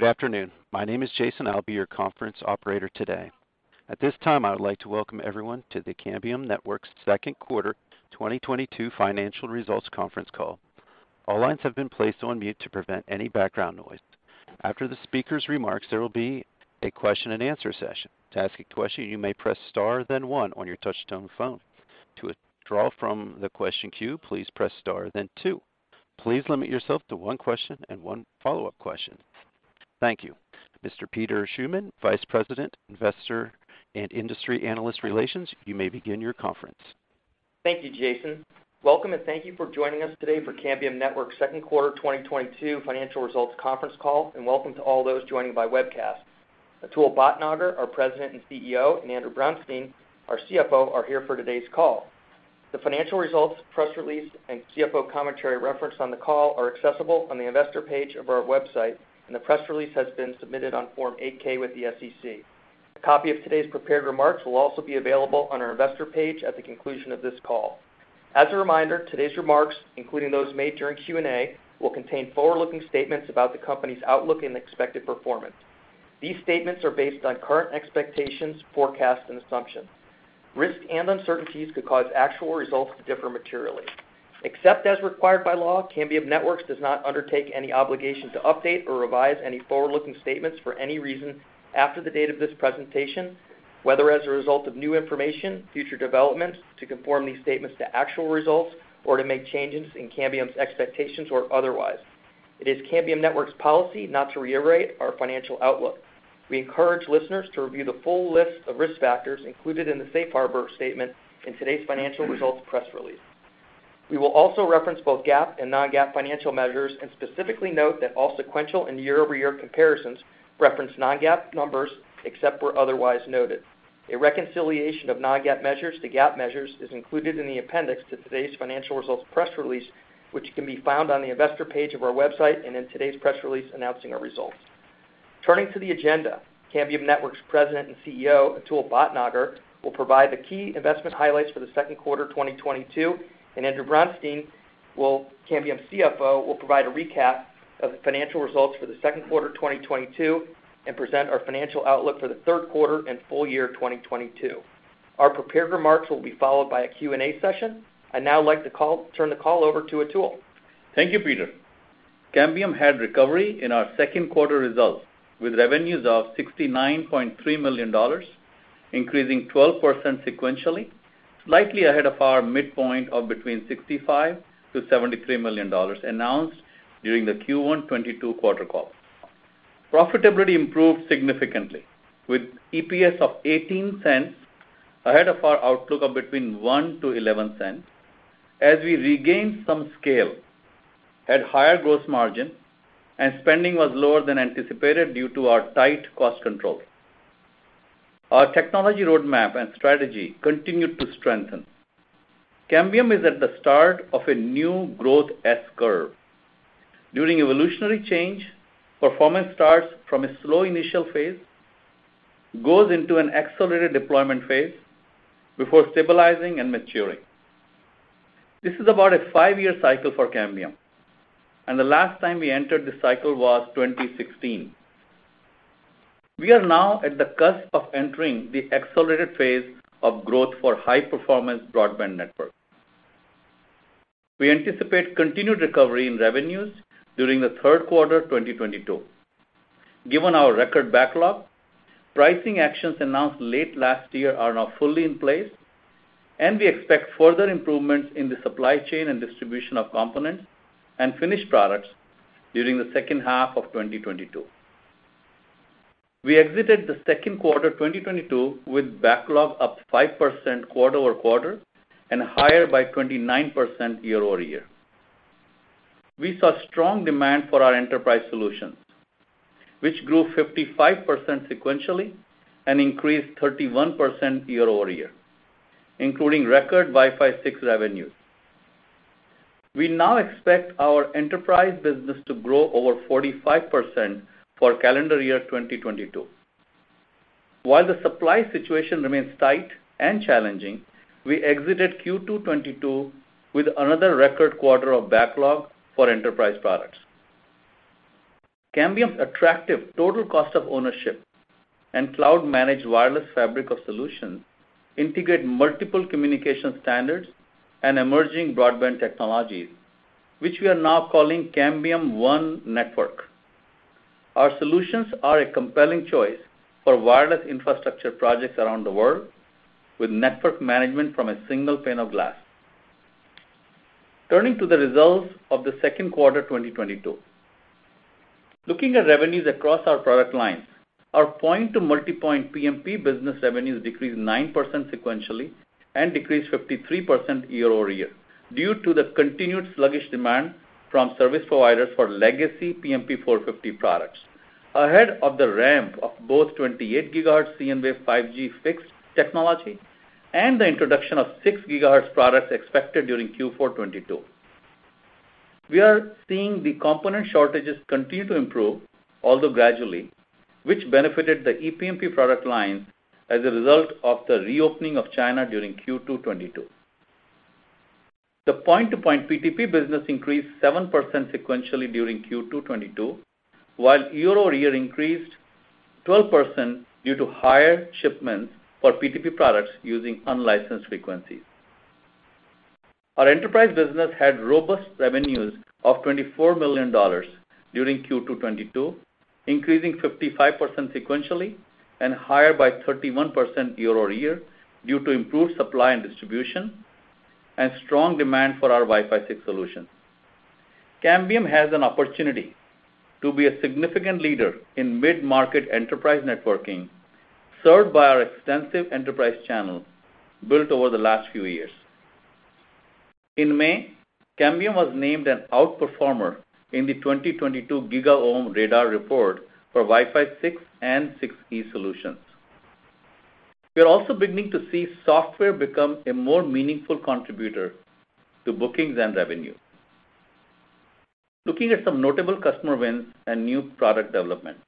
Good afternoon. My name is Jason. I'll be your conference operator today. At this time, I would like to welcome everyone to the Cambium Networks' Second Quarter 2022 Financial Results Conference Call. All lines have been placed on mute to prevent any background noise. After the speaker's remarks, there will be a question and answer session. To ask a question, you may press star, then one on your touch-tone phone. To withdraw from the question queue, please press star, then two. Please limit yourself to one question and one follow-up question. Thank you. Mr. Peter Schuman, Vice President, Investor and Industry Analyst Relations, you may begin your conference. Thank you, Jason. Welcome and thank you for joining us today for Cambium Networks second quarter 2022 financial results conference call and welcome to all those joining by webcast. Atul Bhatnagar, our President and CEO, and Andrew Bronstein, our CFO, are here for today's call. The financial results, press release, and CFO commentary referenced on the call are accessible on the investor page of our website, and the press release has been submitted on Form 8-K with the SEC. A copy of today's prepared remarks will also be available on our investor page at the conclusion of this call. As a reminder, today's remarks, including those made during Q&A, will contain forward-looking statements about the company's outlook and expected performance. These statements are based on current expectations, forecasts, and assumptions. Risks and uncertainties could cause actual results to differ materially. Except as required by law, Cambium Networks does not undertake any obligation to update or revise any forward-looking statements for any reason after the date of this presentation, whether as a result of new information, future developments, to conform these statements to actual results, or to make changes in Cambium's expectations or otherwise. It is Cambium Networks policy not to reiterate our financial outlook. We encourage listeners to review the full list of risk factors included in the safe harbor statement in today's financial results press release. We will also reference both GAAP and non-GAAP financial measures, and specifically note that all sequential and year-over-year comparisons reference non-GAAP numbers, except where otherwise noted. A reconciliation of non-GAAP measures to GAAP measures is included in the appendix to today's financial results press release, which can be found on the investor page of our website and in today's press release announcing our results. Turning to the agenda, Cambium Networks President and CEO, Atul Bhatnagar, will provide the key investment highlights for the second quarter 2022, and Andrew Bronstein, Cambium CFO, will provide a recap of the financial results for the second quarter 2022 and present our financial outlook for the third quarter and full year 2022. Our prepared remarks will be followed by a Q&A session. I'd now like to turn the call over to Atul. Thank you, Peter. Cambium had recovery in our second quarter results with revenues of $69.3 million, increasing 12% sequentially, slightly ahead of our midpoint of between $65 million-$73 million announced during the Q1 2022 quarter call. Profitability improved significantly with EPS of $0.18, ahead of our outlook of between $0.01-$0.11, as we regained some scale at higher gross margin, and spending was lower than anticipated due to our tight cost control. Our technology roadmap and strategy continued to strengthen. Cambium is at the start of a new growth S-curve. During evolutionary change, performance starts from a slow initial phase, goes into an accelerated deployment phase before stabilizing and maturing. This is about a five-year cycle for Cambium, and the last time we entered this cycle was 2016. We are now at the cusp of entering the accelerated phase of growth for high-performance broadband networks. We anticipate continued recovery in revenues during the third quarter 2022. Given our record backlog, pricing actions announced late last year are now fully in place, and we expect further improvements in the supply chain and distribution of components and finished products during the second half of 2022. We exited the second quarter 2022 with backlog up 5% quarter-over-quarter and higher by 29% year-over-year. We saw strong demand for our enterprise solutions, which grew 55% sequentially and increased 31% year-over-year, including record Wi-Fi 6 revenues. We now expect our enterprise business to grow over 45% for calendar year 2022. While the supply situation remains tight and challenging, we exited Q2 2022 with another record quarter of backlog for enterprise products. Cambium's attractive total cost of ownership and cloud-managed wireless fabric of solutions integrate multiple communication standards and emerging broadband technologies, which we are now calling Cambium ONE Network. Our solutions are a compelling choice for wireless infrastructure projects around the world with network management from a single pane of glass. Turning to the results of the second quarter 2022. Looking at revenues across our product lines, our point-to-multipoint PMP business revenues decreased 9% sequentially and decreased 53% year-over-year due to the continued sluggish demand from service providers for legacy PMP 450 products. Ahead of the ramp of both 28 GHz cnWave 5G fixed technology and the introduction of 6 GHz products expected during Q4 2022. We are seeing the component shortages continue to improve, although gradually, which benefited the ePMP product line as a result of the reopening of China during Q2 2022. The point-to-point PTP business increased 7% sequentially during Q2 2022, while year-over-year increased 12% due to higher shipments for PTP products using unlicensed frequencies. Our enterprise business had robust revenues of $24 million during Q2 2022, increasing 55% sequentially and higher by 31% year-over-year due to improved supply and distribution and strong demand for our Wi-Fi 6 solutions. Cambium has an opportunity to be a significant leader in mid-market enterprise networking, served by our extensive enterprise channel built over the last few years. In May, Cambium was named an outperformer in the 2022 GigaOm Radar Report for Wi-Fi 6 and 6E solutions. We are also beginning to see software become a more meaningful contributor to bookings and revenue. Looking at some notable customer wins and new product developments.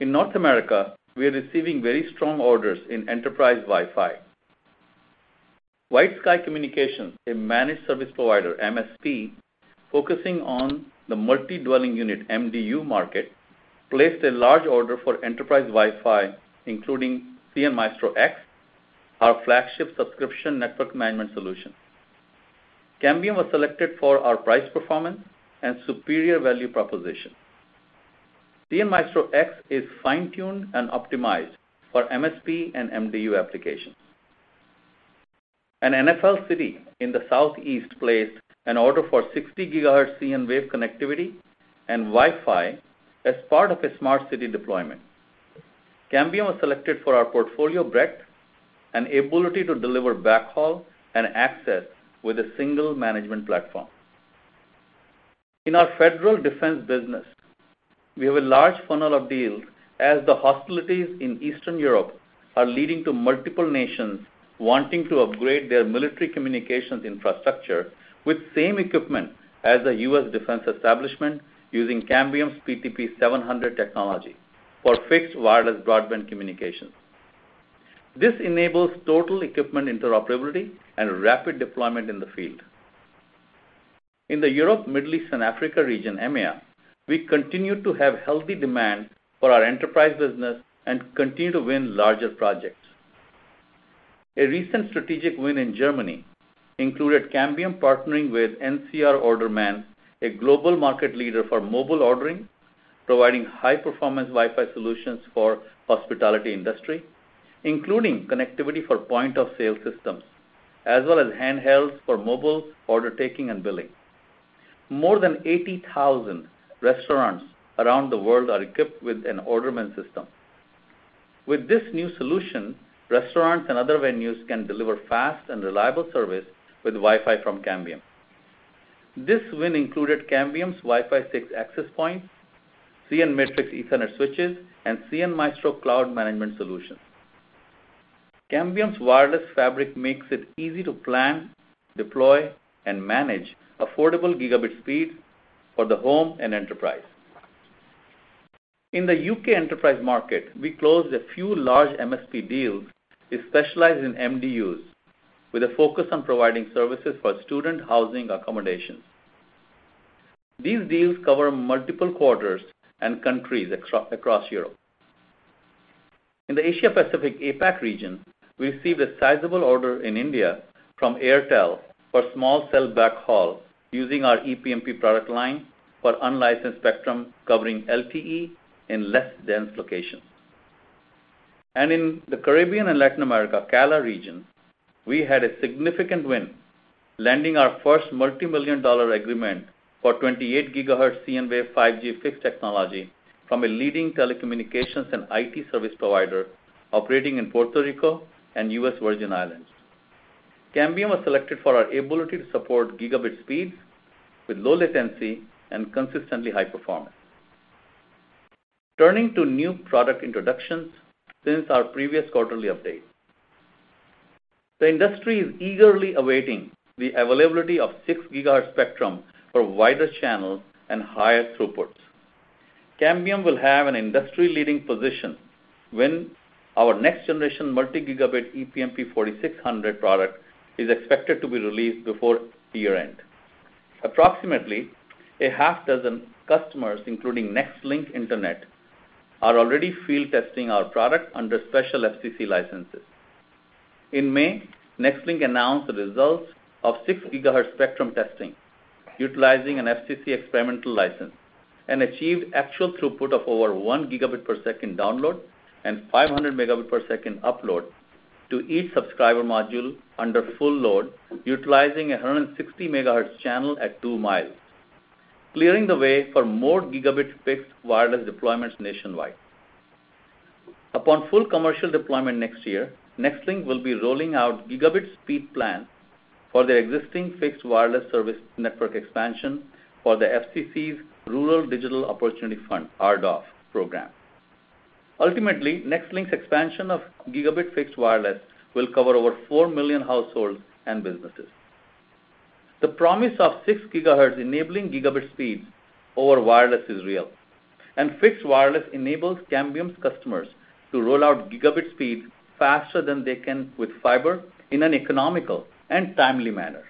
In North America, we are receiving very strong orders in enterprise Wi-Fi. WhiteSky Communications, a managed service provider, MSP, focusing on the multi-dwelling unit, MDU market, placed a large order for enterprise Wi-Fi, including cnMaestro X, our flagship subscription network management solution. Cambium was selected for our price performance and superior value proposition. cnMaestro X is fine-tuned and optimized for MSP and MDU applications. An NFL city in the southeast placed an order for 60 GHz cnWave connectivity and Wi-Fi as part of a smart city deployment. Cambium was selected for our portfolio breadth and ability to deliver backhaul and access with a single management platform. In our federal defense business, we have a large funnel of deals as the hostilities in Eastern Europe are leading to multiple nations wanting to upgrade their military communications infrastructure with same equipment as the U.S. Defense Establishment using Cambium's PTP 700 technology for fixed wireless broadband communications. This enables total equipment interoperability and rapid deployment in the field. In the Europe, Middle East, and Africa region, EMEA, we continue to have healthy demand for our enterprise business and continue to win larger projects. A recent strategic win in Germany included Cambium partnering with NCR Orderman, a global market leader for mobile ordering, providing high-performance Wi-Fi solutions for hospitality industry, including connectivity for point-of-sale systems, as well as handhelds for mobile order taking and billing. More than 80,000 restaurants around the world are equipped with an Orderman system. With this new solution, restaurants and other venues can deliver fast and reliable service with Wi-Fi from Cambium. This win included Cambium's Wi-Fi 6 access points, cnMatrix Ethernet switches, and cnMaestro cloud management solutions. Cambium's wireless fabric makes it easy to plan, deploy, and manage affordable gigabit speeds for the home and enterprise. In the U.K. Enterprise market, we closed a few large MSP deals that specialize in MDUs with a focus on providing services for student housing accommodations. These deals cover multiple quarters and countries across Europe. In the Asia Pacific, APAC, region, we received a sizable order in India from Airtel for small cell backhaul using our ePMP product line for unlicensed spectrum covering LTE in less dense locations. In the Caribbean and Latin America, CALA region, we had a significant win, landing our first multi-million-dollar agreement for 28 GHz cnWave 5G fixed technology from a leading telecommunications and IT service provider operating in Puerto Rico and U.S. Virgin Islands. Cambium was selected for our ability to support gigabit speeds with low latency and consistently high performance. Turning to new product introductions since our previous quarterly update. The industry is eagerly awaiting the availability of 6 GHz spectrum for wider channels and higher throughputs. Cambium will have an industry-leading position when our next generation multi-gigabit ePMP 4600 product is expected to be released before the year-end. Approximately a half dozen customers, including NextLink Internet, are already field testing our product under special FCC licenses. In May, NextLink announced the results of 6 GHz spectrum testing utilizing an FCC experimental license and achieved actual throughput of over 1 Gb download and 500 Mb upload to each subscriber module under full load, utilizing a 160 MHz channel at two miles, clearing the way for more gigabit fixed wireless deployments nationwide. Upon full commercial deployment next year, NextLink will be rolling out gigabit speed plans for their existing fixed wireless service network expansion for the FCC's Rural Digital Opportunity Fund, RDOF, program. Ultimately, NextLink's expansion of gigabit fixed wireless will cover over four million households and businesses. The promise of 6 GHz enabling gigabit speeds over wireless is real, and fixed wireless enables Cambium's customers to roll out gigabit speeds faster than they can with fiber in an economical and timely manner.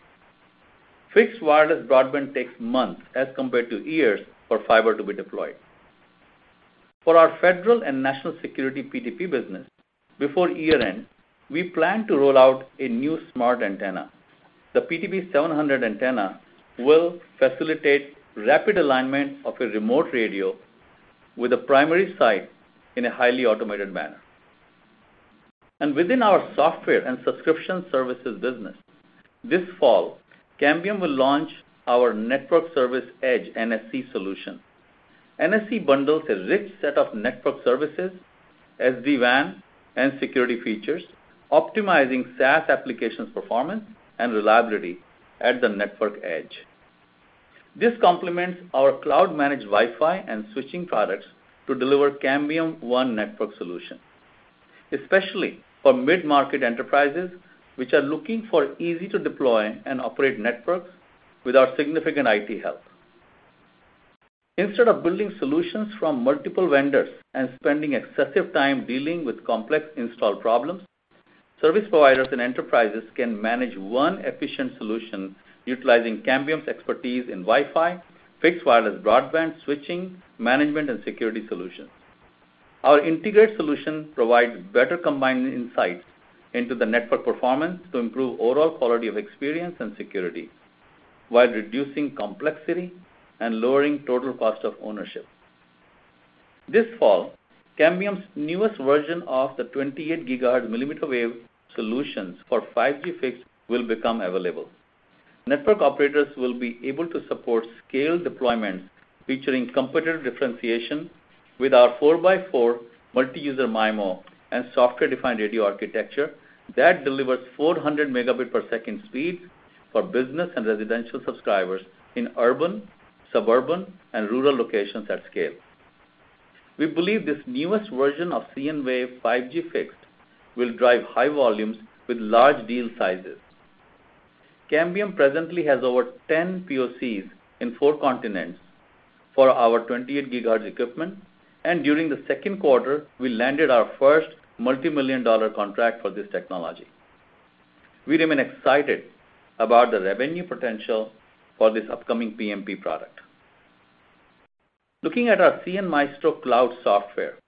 Fixed wireless broadband takes months as compared to years for fiber to be deployed. For our federal and national security PTP business, before year-end, we plan to roll out a new smart antenna. The PTP 700 antenna will facilitate rapid alignment of a remote radio with a primary site in a highly automated manner. Within our software and subscription services business, this fall, Cambium will launch our Network Service Edge NSE solution. NSE bundles a rich set of network services, SD-WAN, and security features, optimizing SaaS application performance and reliability at the network edge. This complements our cloud-managed Wi-Fi and switching products to deliver Cambium ONE Network solution, especially for mid-market enterprises, which are looking for easy to deploy and operate networks with our significant IT help. Instead of building solutions from multiple vendors and spending excessive time dealing with complex install problems, service providers and enterprises can manage one efficient solution utilizing Cambium's expertise in Wi-Fi, fixed wireless broadband, switching, management, and security solutions. Our integrated solution provides better combined insights into the network performance to improve overall quality of experience and security while reducing complexity and lowering total cost of ownership. This fall, Cambium's newest version of the 28 GHz millimeter wave solutions for 5G Fixed will become available. Network operators will be able to support scaled deployments featuring competitive differentiation with our 4x4 multi-user MIMO and software-defined radio architecture that delivers 400 Mbps speed for business and residential subscribers in urban, suburban, and rural locations at scale. We believe this newest version of cnWave 5G Fixed will drive high volumes with large deal sizes. Cambium presently has over 10 POCs in four continents for our 28 GHz equipment, and during the second quarter, we landed our first multi-million-dollar contract for this technology. We remain excited about the revenue potential for this upcoming PMP product. Looking at our cnMaestro Cloud software,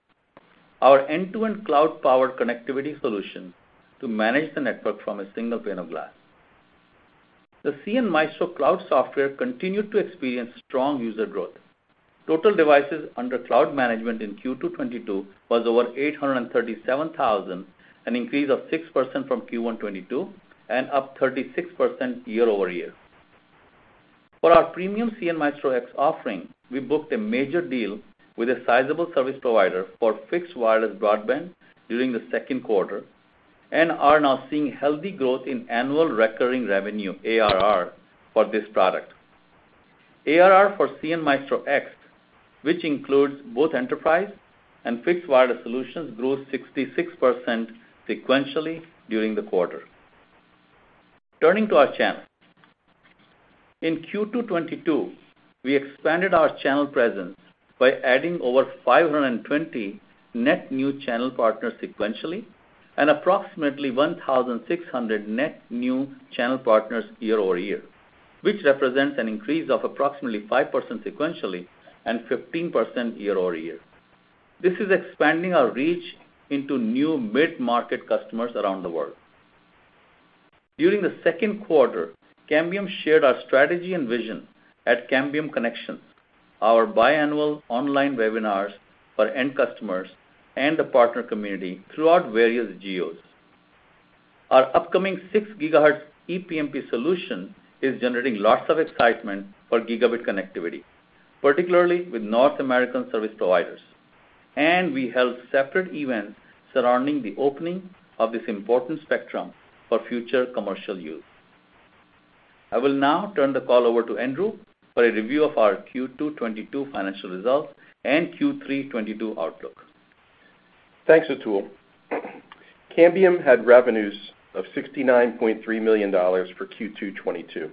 our end-to-end cloud-powered connectivity solution to manage the network from a single pane of glass. The cnMaestro Cloud software continued to experience strong user growth. Total devices under cloud management in Q2 2022 was over 837,000, an increase of 6% from Q1 2022, and up 36% year-over-year. For our premium cnMaestro X offering, we booked a major deal with a sizable service provider for fixed wireless broadband during the second quarter and are now seeing healthy growth in annual recurring revenue, ARR, for this product. ARR for cnMaestro X, which includes both enterprise and fixed wireless solutions, grew 66% sequentially during the quarter. Turning to our channel. In Q2 2022, we expanded our channel presence by adding over 520 net new channel partners sequentially, and approximately 1,600 net new channel partners year-over-year, which represents an increase of approximately 5% sequentially and 15% year-over-year. This is expanding our reach into new mid-market customers around the world. During the second quarter, Cambium shared our strategy and vision at Cambium Connections, our biannual online webinars for end customers and the partner community throughout various geos. Our upcoming 6 GHz ePMP solution is generating lots of excitement for gigabit connectivity, particularly with North American service providers. We held separate events surrounding the opening of this important spectrum for future commercial use. I will now turn the call over to Andrew for a review of our Q2 2022 financial results and Q3 2022 outlook. Thanks, Atul. Cambium had revenues of $69.3 million for Q2 2022.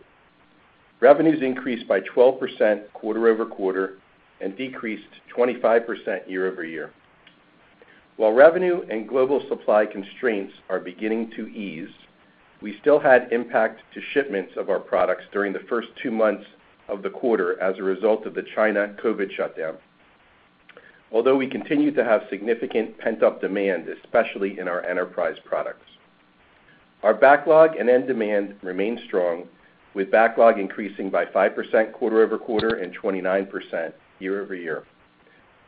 Revenues increased by 12% quarter-over-quarter and decreased 25% year-over-year. While revenue and global supply constraints are beginning to ease, we still had impact to shipments of our products during the first two months of the quarter as a result of the China COVID shutdown. Although we continue to have significant pent-up demand, especially in our enterprise products. Our backlog and end demand remain strong, with backlog increasing by 5% quarter-over-quarter and 29% year-over-year.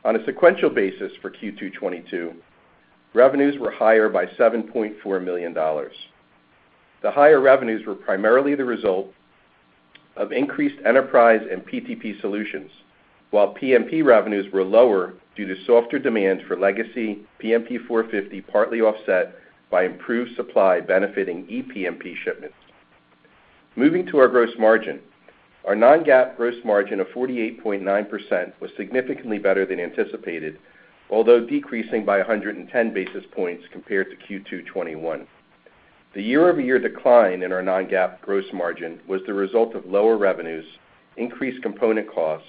On a sequential basis for Q2 2022, revenues were higher by $7.4 million. The higher revenues were primarily the result of increased enterprise and PTP solutions, while PMP revenues were lower due to softer demand for legacy PMP-450 partly offset by improved supply benefiting ePMP shipments. Moving to our gross margin. Our non-GAAP gross margin of 48.9% was significantly better than anticipated, although decreasing by 110 basis points compared to Q2 2021. The year-over-year decline in our non-GAAP gross margin was the result of lower revenues, increased component costs,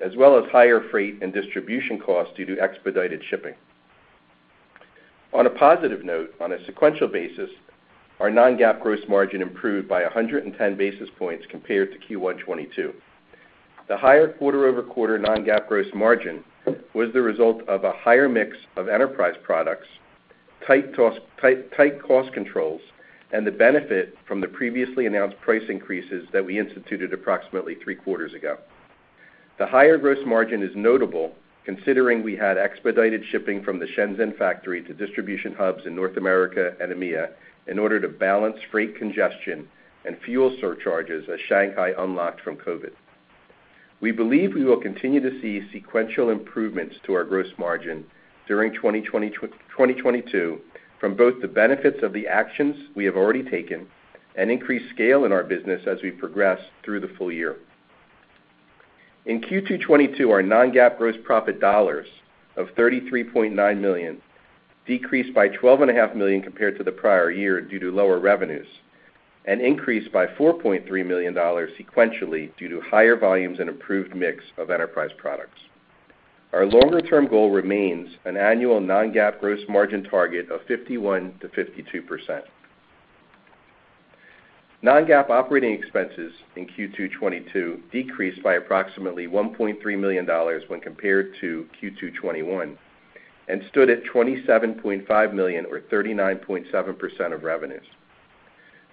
as well as higher freight and distribution costs due to expedited shipping. On a positive note, on a sequential basis, our non-GAAP gross margin improved by 110 basis points compared to Q1 2022. The higher quarter-over-quarter non-GAAP gross margin was the result of a higher mix of enterprise products, tight cost controls, and the benefit from the previously announced price increases that we instituted approximately three quarters ago. The higher gross margin is notable considering we had expedited shipping from the Shenzhen factory to distribution hubs in North America and EMEA in order to balance freight congestion and fuel surcharges as Shanghai unlocked from COVID. We believe we will continue to see sequential improvements to our gross margin during 2022 from both the benefits of the actions we have already taken and increased scale in our business as we progress through the full year. In Q2 2022, our non-GAAP gross profit dollars of $33.9 million decreased by $12.5 million compared to the prior year due to lower revenues, and increased by $4.3 million dollars sequentially due to higher volumes and improved mix of enterprise products. Our longer-term goal remains an annual non-GAAP gross margin target of 51%-52%. Non-GAAP operating expenses in Q2 2022 decreased by approximately $1.3 million when compared to Q2 2021, and stood at $27.5 million or 39.7% of revenues.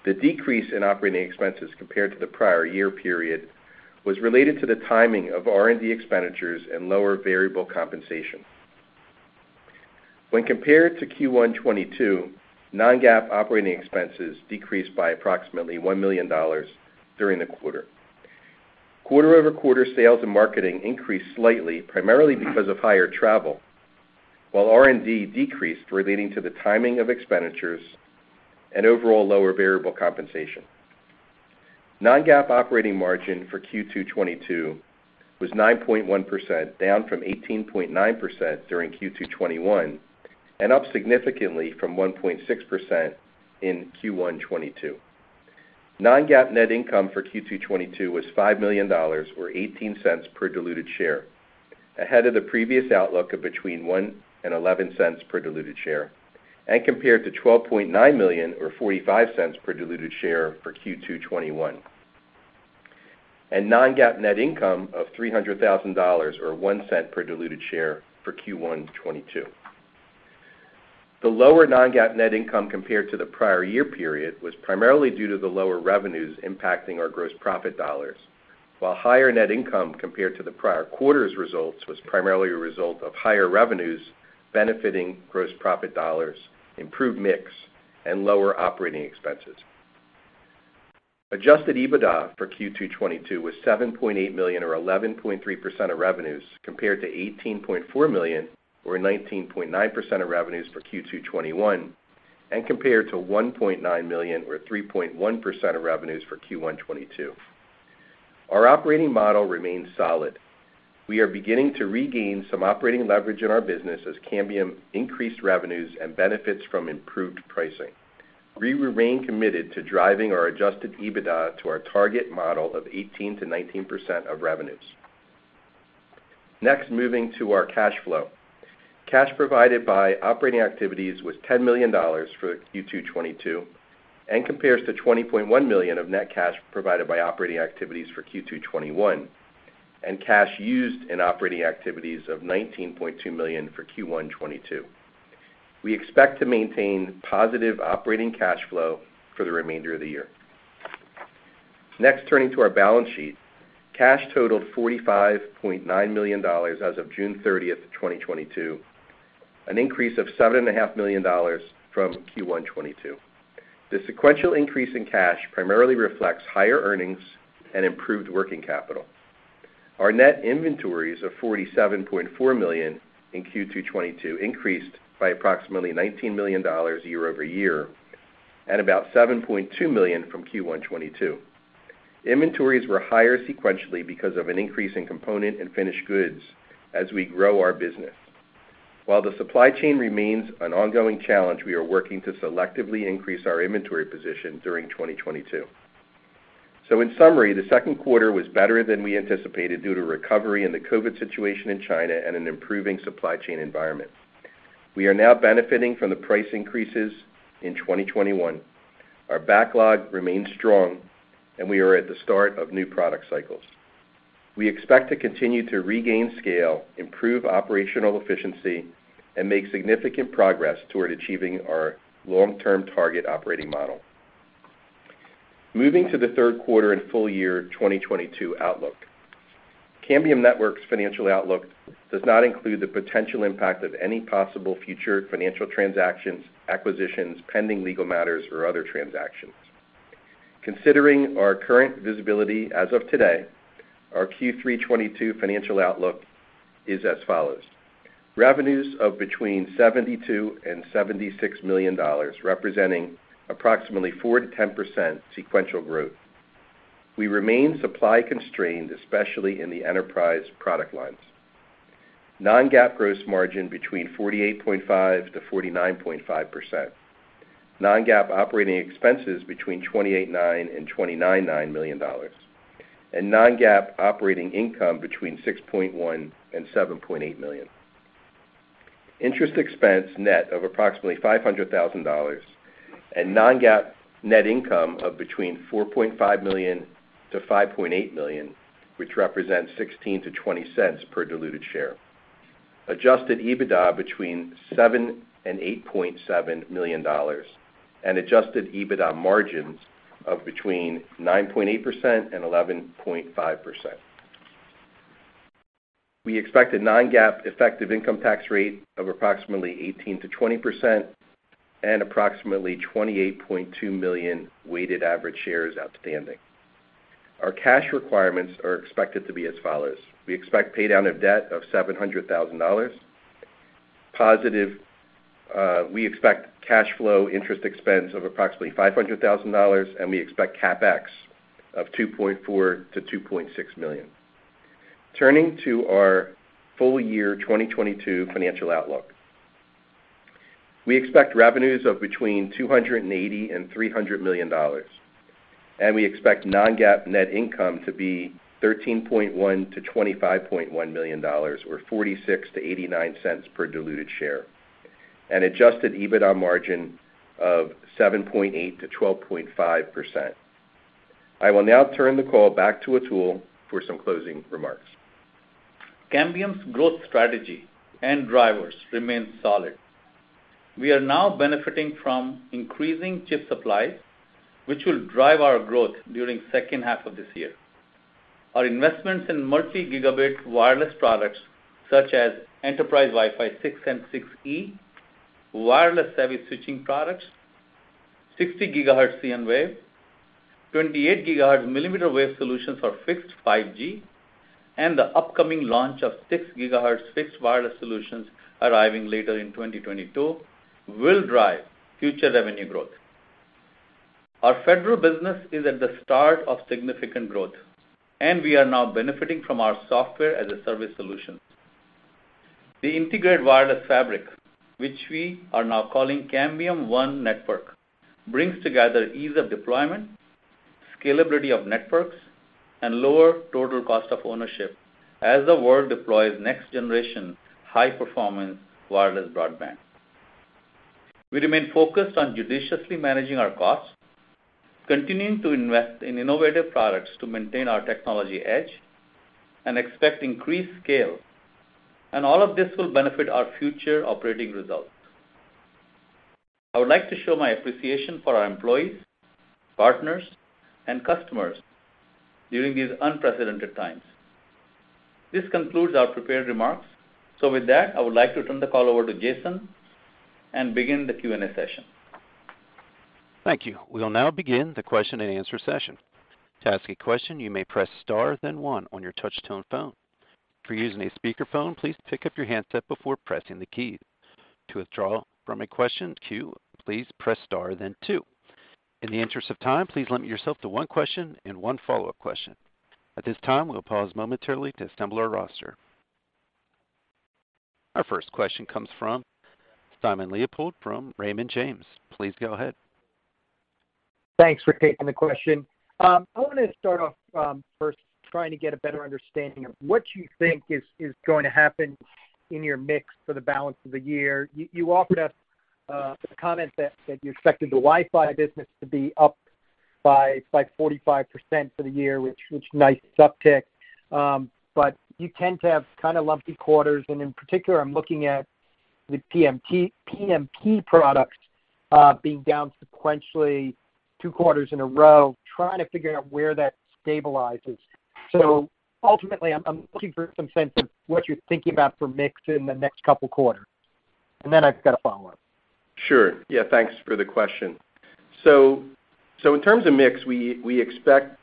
The decrease in operating expenses compared to the prior year period was related to the timing of R&D expenditures and lower variable compensation. When compared to Q1 2022, non-GAAP operating expenses decreased by approximately $1 million during the quarter. Quarter-over-quarter sales and marketing increased slightly, primarily because of higher travel, while R&D decreased relating to the timing of expenditures and overall lower variable compensation. Non-GAAP operating margin for Q2 2022 was 9.1%, down from 18.9% during Q2 2021, and up significantly from 1.6% in Q1 2022. Non-GAAP net income for Q2 2022 was $5 million or $0.18 per diluted share, ahead of the previous outlook of between $0.01 and $0.11 per diluted share, and compared to $12.9 million or $0.45 per diluted share for Q2 2021. Non-GAAP net income of $300 thousand or $0.01 per diluted share for Q1 2022. The lower non-GAAP net income compared to the prior year period was primarily due to the lower revenues impacting our gross profit dollars, while higher net income compared to the prior quarter's results was primarily a result of higher revenues benefiting gross profit dollars, improved mix, and lower operating expenses. Adjusted EBITDA for Q2 2022 was $7.8 million or 11.3% of revenues, compared to $18.4 million or 19.9% of revenues for Q2 2021, and compared to $1.9 million or 3.1% of revenues for Q1 2022. Our operating model remains solid. We are beginning to regain some operating leverage in our business as Cambium increased revenues and benefits from improved pricing. We remain committed to driving our adjusted EBITDA to our target model of 18%-19% of revenues. Next, moving to our cash flow. Cash provided by operating activities was $10 million for Q2 2022 and compares to $20.1 million of net cash provided by operating activities for Q2 2021, and cash used in operating activities of $19.2 million for Q1 2022. We expect to maintain positive operating cash flow for the remainder of the year. Next, turning to our balance sheet. Cash totaled $45.9 million as of June 30th, 2022, an increase of $7.5 million from Q1 2022. The sequential increase in cash primarily reflects higher earnings and improved working capital. Our net inventories of $47.4 million in Q2 2022 increased by approximately $19 million year-over-year and about $7.2 million from Q1 2022. Inventories were higher sequentially because of an increase in component and finished goods as we grow our business. While the supply chain remains an ongoing challenge, we are working to selectively increase our inventory position during 2022. In summary, the second quarter was better than we anticipated due to recovery in the COVID situation in China and an improving supply chain environment. We are now benefiting from the price increases in 2021. Our backlog remains strong, and we are at the start of new product cycles. We expect to continue to regain scale, improve operational efficiency, and make significant progress toward achieving our long-term target operating model. Moving to the third quarter and full year 2022 outlook. Cambium Networks' financial outlook does not include the potential impact of any possible future financial transactions, acquisitions, pending legal matters, or other transactions. Considering our current visibility as of today, our Q3 2022 financial outlook is as follows. Revenues of between $72 million and $76 million, representing approximately 4%-10% sequential growth. We remain supply constrained, especially in the enterprise product lines. Non-GAAP gross margin between 48.5%-49.5%. Non-GAAP operating expenses between $28.9 million and $29.9 million Non-GAAP operating income between $6.1 million and $7.8 million. Interest expense net of approximately $500,000 and non-GAAP net income of between $4.5 million to $5.8 million, which represents $0.16-$0.20 per diluted share. Adjusted EBITDA between $7 million and $8.7 million and adjusted EBITDA margins of between 9.8% and 11.5%. We expect a non-GAAP effective income tax rate of approximately 18%-20% and approximately 28.2 million weighted average shares outstanding. Our cash requirements are expected to be as follows. We expect pay down of debt of $700,000 positive. We expect cash flow interest expense of approximately $500,000, and we expect CapEx of $2.4 million-$2.6 million. Turning to our full year 2022 financial outlook. We expect revenues of between $280 million and $300 million, and we expect non-GAAP net income to be $13.1 million-$25.1 million or $0.46-$0.89 per diluted share. An adjusted EBITDA margin of 7.8%-12.5%. I will now turn the call back to Atul for some closing remarks. Cambium's growth strategy and drivers remain solid. We are now benefiting from increasing chip supply, which will drive our growth during second half of this year. Our investments in multi-gigabit wireless products such as enterprise Wi-Fi 6 and Wi-Fi 6E, cnMatrix switching products, 60 GHz cnWave, 28 GHz millimeter wave solutions for fixed 5G, and the upcoming launch of 6 GHz fixed wireless solutions arriving later in 2022 will drive future revenue growth. Our federal business is at the start of significant growth, and we are now benefiting from our software as a service solution. The integrated wireless fabric, which we are now calling Cambium ONE Network, brings together ease of deployment, scalability of networks, and lower total cost of ownership as the world deploys next generation high performance wireless broadband. We remain focused on judiciously managing our costs, continuing to invest in innovative products to maintain our technology edge, and expect increased scale, and all of this will benefit our future operating results. I would like to show my appreciation for our employees, partners, and customers during these unprecedented times. This concludes our prepared remarks. With that, I would like to turn the call over to Jason and begin the Q&A session. Thank you. We will now begin the question-and-answer session. To ask a question, you may press star then one on your touch tone phone. If you're using a speakerphone, please pick up your handset before pressing the keys. To withdraw from a question queue, please press star then two. In the interest of time, please limit yourself to one question and one follow-up question. At this time, we'll pause momentarily to assemble our roster. Our first question comes from Simon Leopold from Raymond James. Please go ahead. Thanks for taking the question. I wanna start off, first trying to get a better understanding of what you think is going to happen in your mix for the balance of the year. You offered us the comment that you expected the Wi-Fi business to be up by 45% for the year, which nice uptick. You tend to have kinda lumpy quarters, and in particular I'm looking at the PMP products being down sequentially two quarters in a row, trying to figure out where that stabilizes. Ultimately, I'm looking for some sense of what you're thinking about for mix in the next couple quarters. Then I've got a follow-up. Sure. Yeah, thanks for the question. In terms of mix, we expect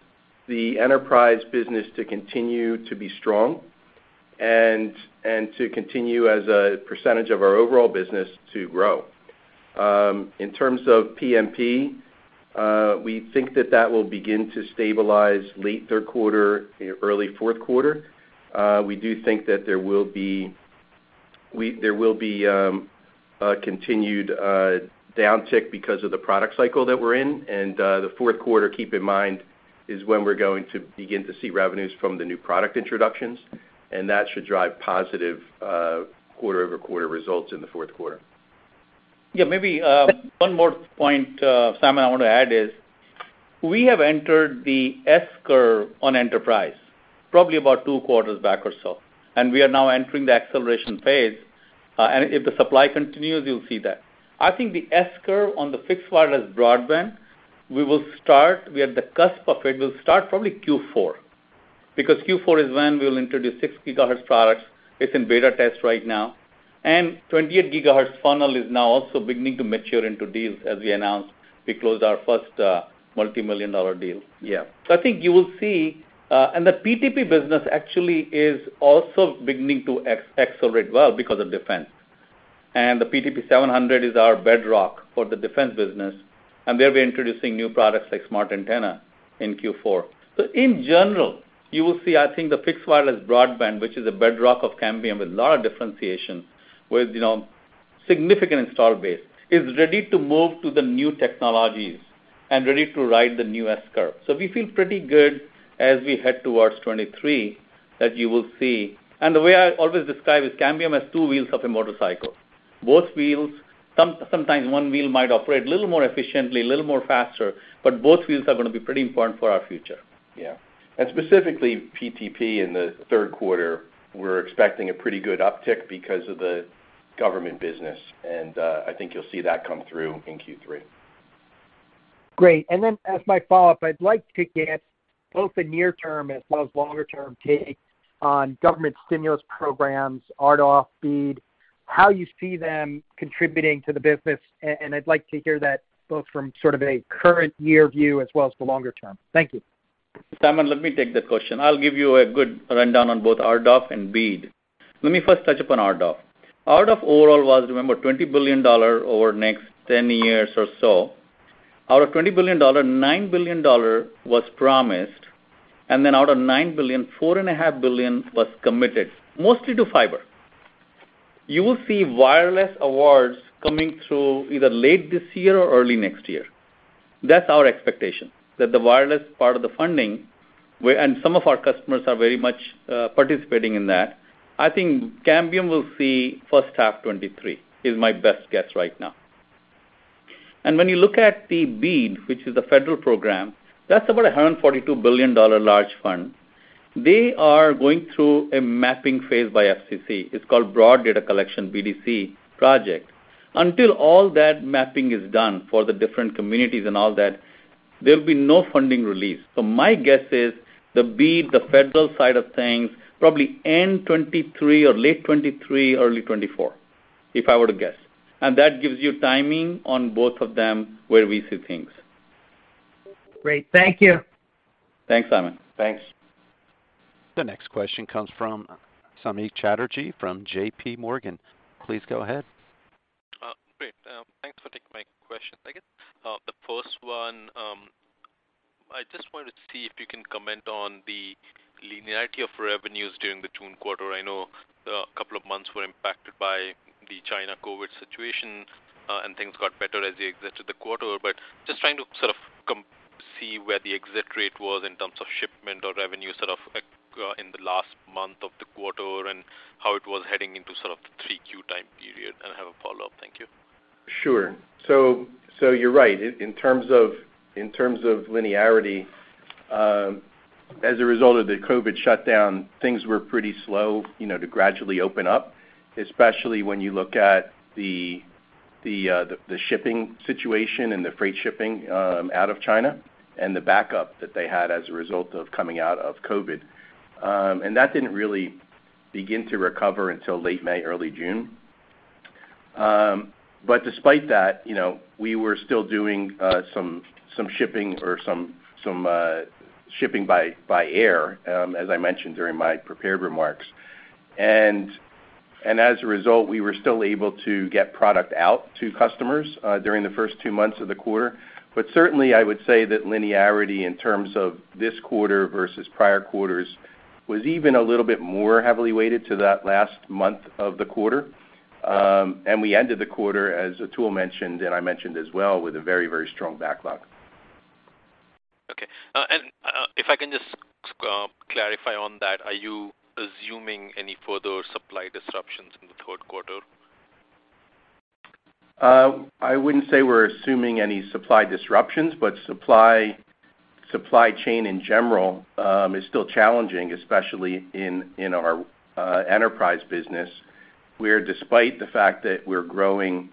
the enterprise business to continue to be strong and to continue as a percentage of our overall business to grow. In terms of PMP, we think that will begin to stabilize late third quarter, early fourth quarter. We do think that there will be a continued downtick because of the product cycle that we're in. The fourth quarter, keep in mind, is when we're going to begin to see revenues from the new product introductions, and that should drive positive quarter-over-quarter results in the fourth quarter. Yeah, maybe, one more point, Simon, I want to add is we have entered the S-curve on enterprise probably about two quarters back or so, and we are now entering the acceleration phase. If the supply continues, you'll see that. I think the S-curve on the fixed wireless broadband. We are at the cusp of it, will start probably Q4, because Q4 is when we'll introduce 6 GHz products. It's in beta test right now. 28 GHz funnel is now also beginning to mature into deals. As we announced, we closed our first multimillion-dollar deal. Yeah. I think you will see, and the PTP business actually is also beginning to accelerate well because of defense. The PTP700 is our bedrock for the defense business, and there we're introducing new products like smart antenna in Q4. In general, you will see, I think the fixed wireless broadband, which is a bedrock of Cambium with a lot of differentiation, with, you know, significant install base, is ready to move to the new technologies and ready to ride the new S-curve. We feel pretty good as we head towards 2023 that you will see. The way I always describe is Cambium has two wheels of a motorcycle. Both wheels, sometimes one wheel might operate a little more efficiently, a little more faster, but both wheels are gonna be pretty important for our future. Yeah. Specifically PTP in the third quarter, we're expecting a pretty good uptick because of the government business, and I think you'll see that come through in Q3. Great. As my follow-up, I'd like to get both the near term as well as longer term take on government stimulus programs, RDOF, BEAD, how you see them contributing to the business, and I'd like to hear that both from sort of a current year view as well as the longer term. Thank you. Simon, let me take that question. I'll give you a good rundown on both RDOF and BEAD. Let me first touch upon RDOF. RDOF overall was, remember, $20 billion over next 10 years or so. Out of $20 billion, $9 billion was promised, and then out of $9 billion, $4.5 billion was committed, mostly to fiber. You will see wireless awards coming through either late this year or early next year. That's our expectation, that the wireless part of the funding. Some of our customers are very much participating in that. I think Cambium will see first half 2023, is my best guess right now. When you look at the BEAD, which is a federal program, that's about $142 billion large fund. They are going through a mapping phase by FCC. It's called Broadband Data Collection, BDC project. Until all that mapping is done for the different communities and all that, there'll be no funding released. My guess is the BEAD, the federal side of things, probably end 2023 or late 2023, early 2024, if I were to guess. That gives you timing on both of them where we see things. Great. Thank you. Thanks, Simon. Thanks. The next question comes from Samik Chatterjee from J.P. Morgan. Please go ahead. Great. Thanks for taking my question. I guess, the first one, I just wanted to see if you can comment on the linearity of revenues during the June quarter. I know a couple of months were impacted by the China COVID situation, and things got better as they exited the quarter. Just trying to sort of see where the exit rate was in terms of shipment or revenue, sort of, in the last month of the quarter and how it was heading into sort of the 3Q time period. I have a follow-up. Thank you. Sure. You're right. In terms of linearity, as a result of the COVID shutdown, things were pretty slow, you know, to gradually open up, especially when you look at the shipping situation and the freight shipping out of China and the backup that they had as a result of coming out of COVID. That didn't really begin to recover until late May, early June. But despite that, you know, we were still doing some shipping by air, as I mentioned during my prepared remarks. And as a result, we were still able to get product out to customers during the first two months of the quarter. Certainly, I would say that linearity in terms of this quarter versus prior quarters was even a little bit more heavily weighted to that last month of the quarter. We ended the quarter, as Atul mentioned, and I mentioned as well, with a very, very strong backlog. Okay. If I can just clarify on that, are you assuming any further supply disruptions in the third quarter? I wouldn't say we're assuming any supply disruptions, but supply chain in general is still challenging, especially in our enterprise business, where despite the fact that we're growing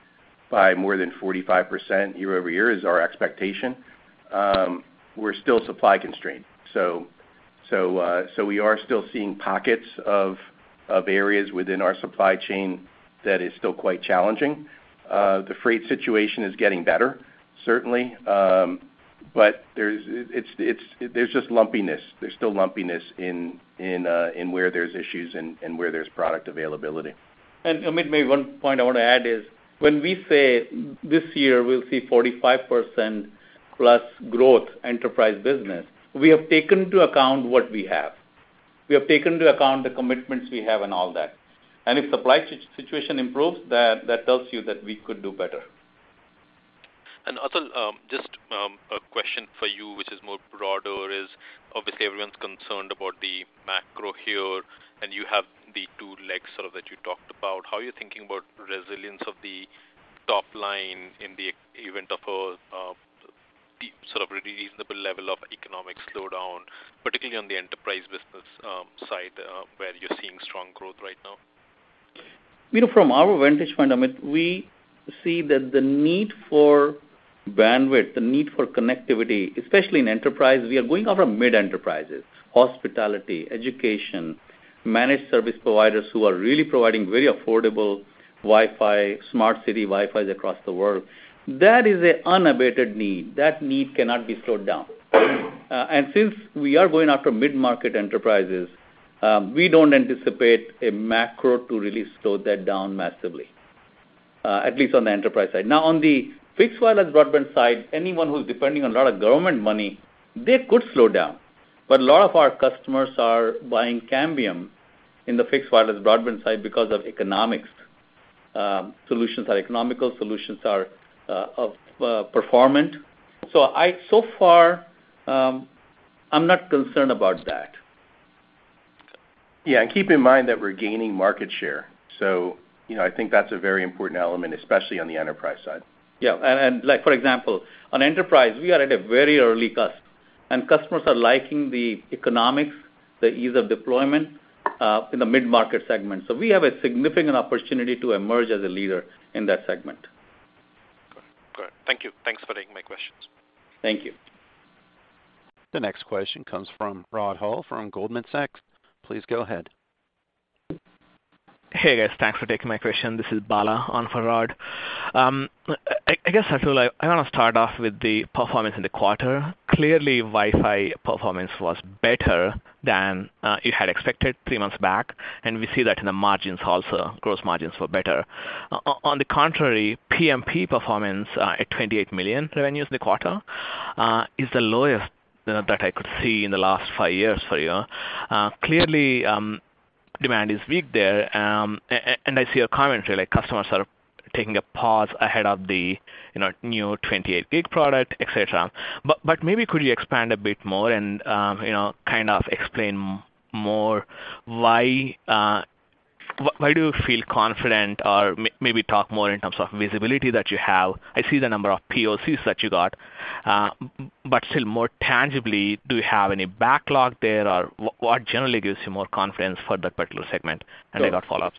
by more than 45% year-over-year is our expectation, we're still supply constrained. We are still seeing pockets of areas within our supply chain that is still quite challenging. The freight situation is getting better, certainly. But there's just lumpiness. There's still lumpiness in where there's issues and where there's product availability. Samik, maybe one point I want to add is when we say this year we'll see 45%+ growth enterprise business, we have taken into account what we have. We have taken into account the commitments we have and all that. If supply situation improves, that tells you that we could do better. Atul, just a question for you, which is more broader. Is obviously everyone's concerned about the macro here, and you have the two legs sort of that you talked about. How are you thinking about resilience of the top line in the event of a sort of reasonable level of economic slowdown, particularly on the enterprise business side, where you're seeing strong growth right now? You know, from our vantage point, Samik, we see that the need for bandwidth, the need for connectivity, especially in enterprise, we are going after mid enterprises, hospitality, education, managed service providers who are really providing very affordable Wi-Fi, smart city Wi-Fis across the world. That is an unabated need. That need cannot be slowed down. Since we are going after mid-market enterprises, we don't anticipate a macro to really slow that down massively, at least on the enterprise side. Now, on the fixed wireless broadband side, anyone who's depending on a lot of government money, they could slow down, but a lot of our customers are buying Cambium in the fixed wireless broadband side because of economics. Solutions are economical, solutions are performant. So far, I'm not concerned about that. Yeah. Keep in mind that we're gaining market share. You know, I think that's a very important element, especially on the enterprise side. Yeah. Like, for example, on enterprise, we are at a very early cusp, and customers are liking the economics, the ease of deployment, in the mid-market segment. We have a significant opportunity to emerge as a leader in that segment. Great. Thank you. Thanks for taking my questions. Thank you. The next question comes from Rod Hall from Goldman Sachs. Please go ahead. Hey, guys. Thanks for taking my question. This is Bala on for Rod. I guess, Atul, I wanna start off with the performance in the quarter. Clearly, Wi-Fi performance was better than you had expected three months back, and we see that in the margins also, gross margins were better. On the contrary, PMP performance at $28 million revenues in the quarter is the lowest, you know, that I could see in the last five years for you. Clearly, demand is weak there. And I see your commentary, like customers are taking a pause ahead of the, you know, new 28 GHz product, et cetera. But maybe could you expand a bit more and, you know, kind of explain more why do you feel confident or maybe talk more in terms of visibility that you have? I see the number of POCs that you got, but still more tangibly, do you have any backlog there, or what generally gives you more confidence for that particular segment? I got follow-ups.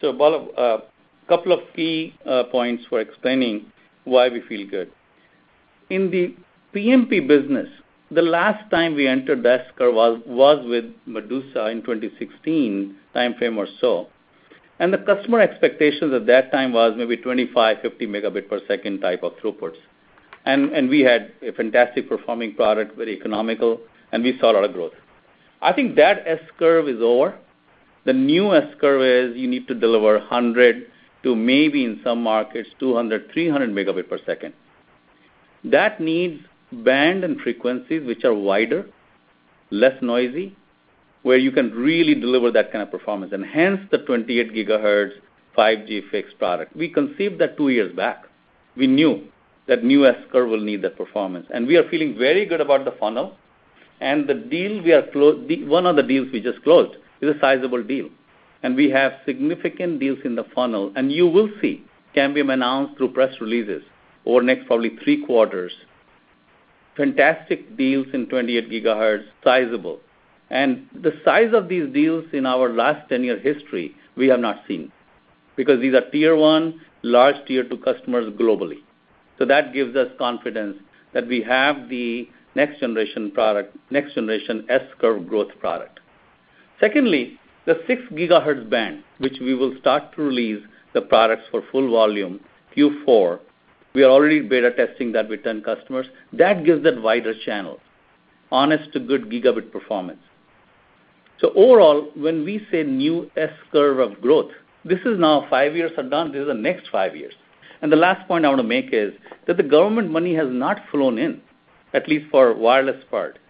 Bala, a couple of key points for explaining why we feel good. In the PMP business, the last time we entered S-curve was with cnMedusa in 2016 timeframe or so. The customer expectations at that time was maybe 25, 50 Mbps type of throughputs. We had a fantastic performing product, very economical, and we saw a lot of growth. I think that S-curve is over. The new S-curve is you need to deliver 100 to maybe in some markets, 200, 300 Mbps. That needs bands and frequencies which are wider, less noisy, where you can really deliver that kind of performance, and hence the 28 GHz 5G fixed product. We conceived that two years back. We knew that new S-curve will need that performance. We are feeling very good about the funnel. One of the deals we just closed is a sizable deal, and we have significant deals in the funnel. You will see Cambium announce through press releases over the next probably three quarters, fantastic deals in 28 GHz, sizable. The size of these deals in our last 10-year history, we have not seen because these are tier one, large tier two customers globally. That gives us confidence that we have the next generation product, next generation S-curve growth product. Secondly, the 6 GHz band, which we will start to release the products for full volume Q4, we are already beta testing that with 10 customers. That gives that wider channel, honest-to-goodness gigabit performance. Overall, when we say new S-curve of growth, this is now. Five years are done, this is the next five years. The last point I want to make is that the government money has not flown in, at least for wireless part.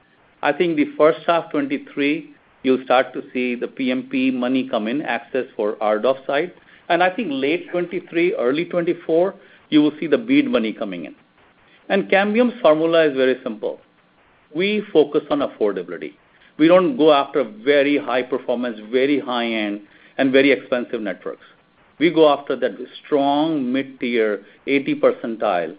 I think the first half 2023, you'll start to see the PMP money come in, access for RDOF site. I think late 2023, early 2024, you will see the BEAD money coming in. Cambium's formula is very simple. We focus on affordability. We don't go after very high performance, very high-end and very expensive networks. We go after that strong mid-tier 80th percentile,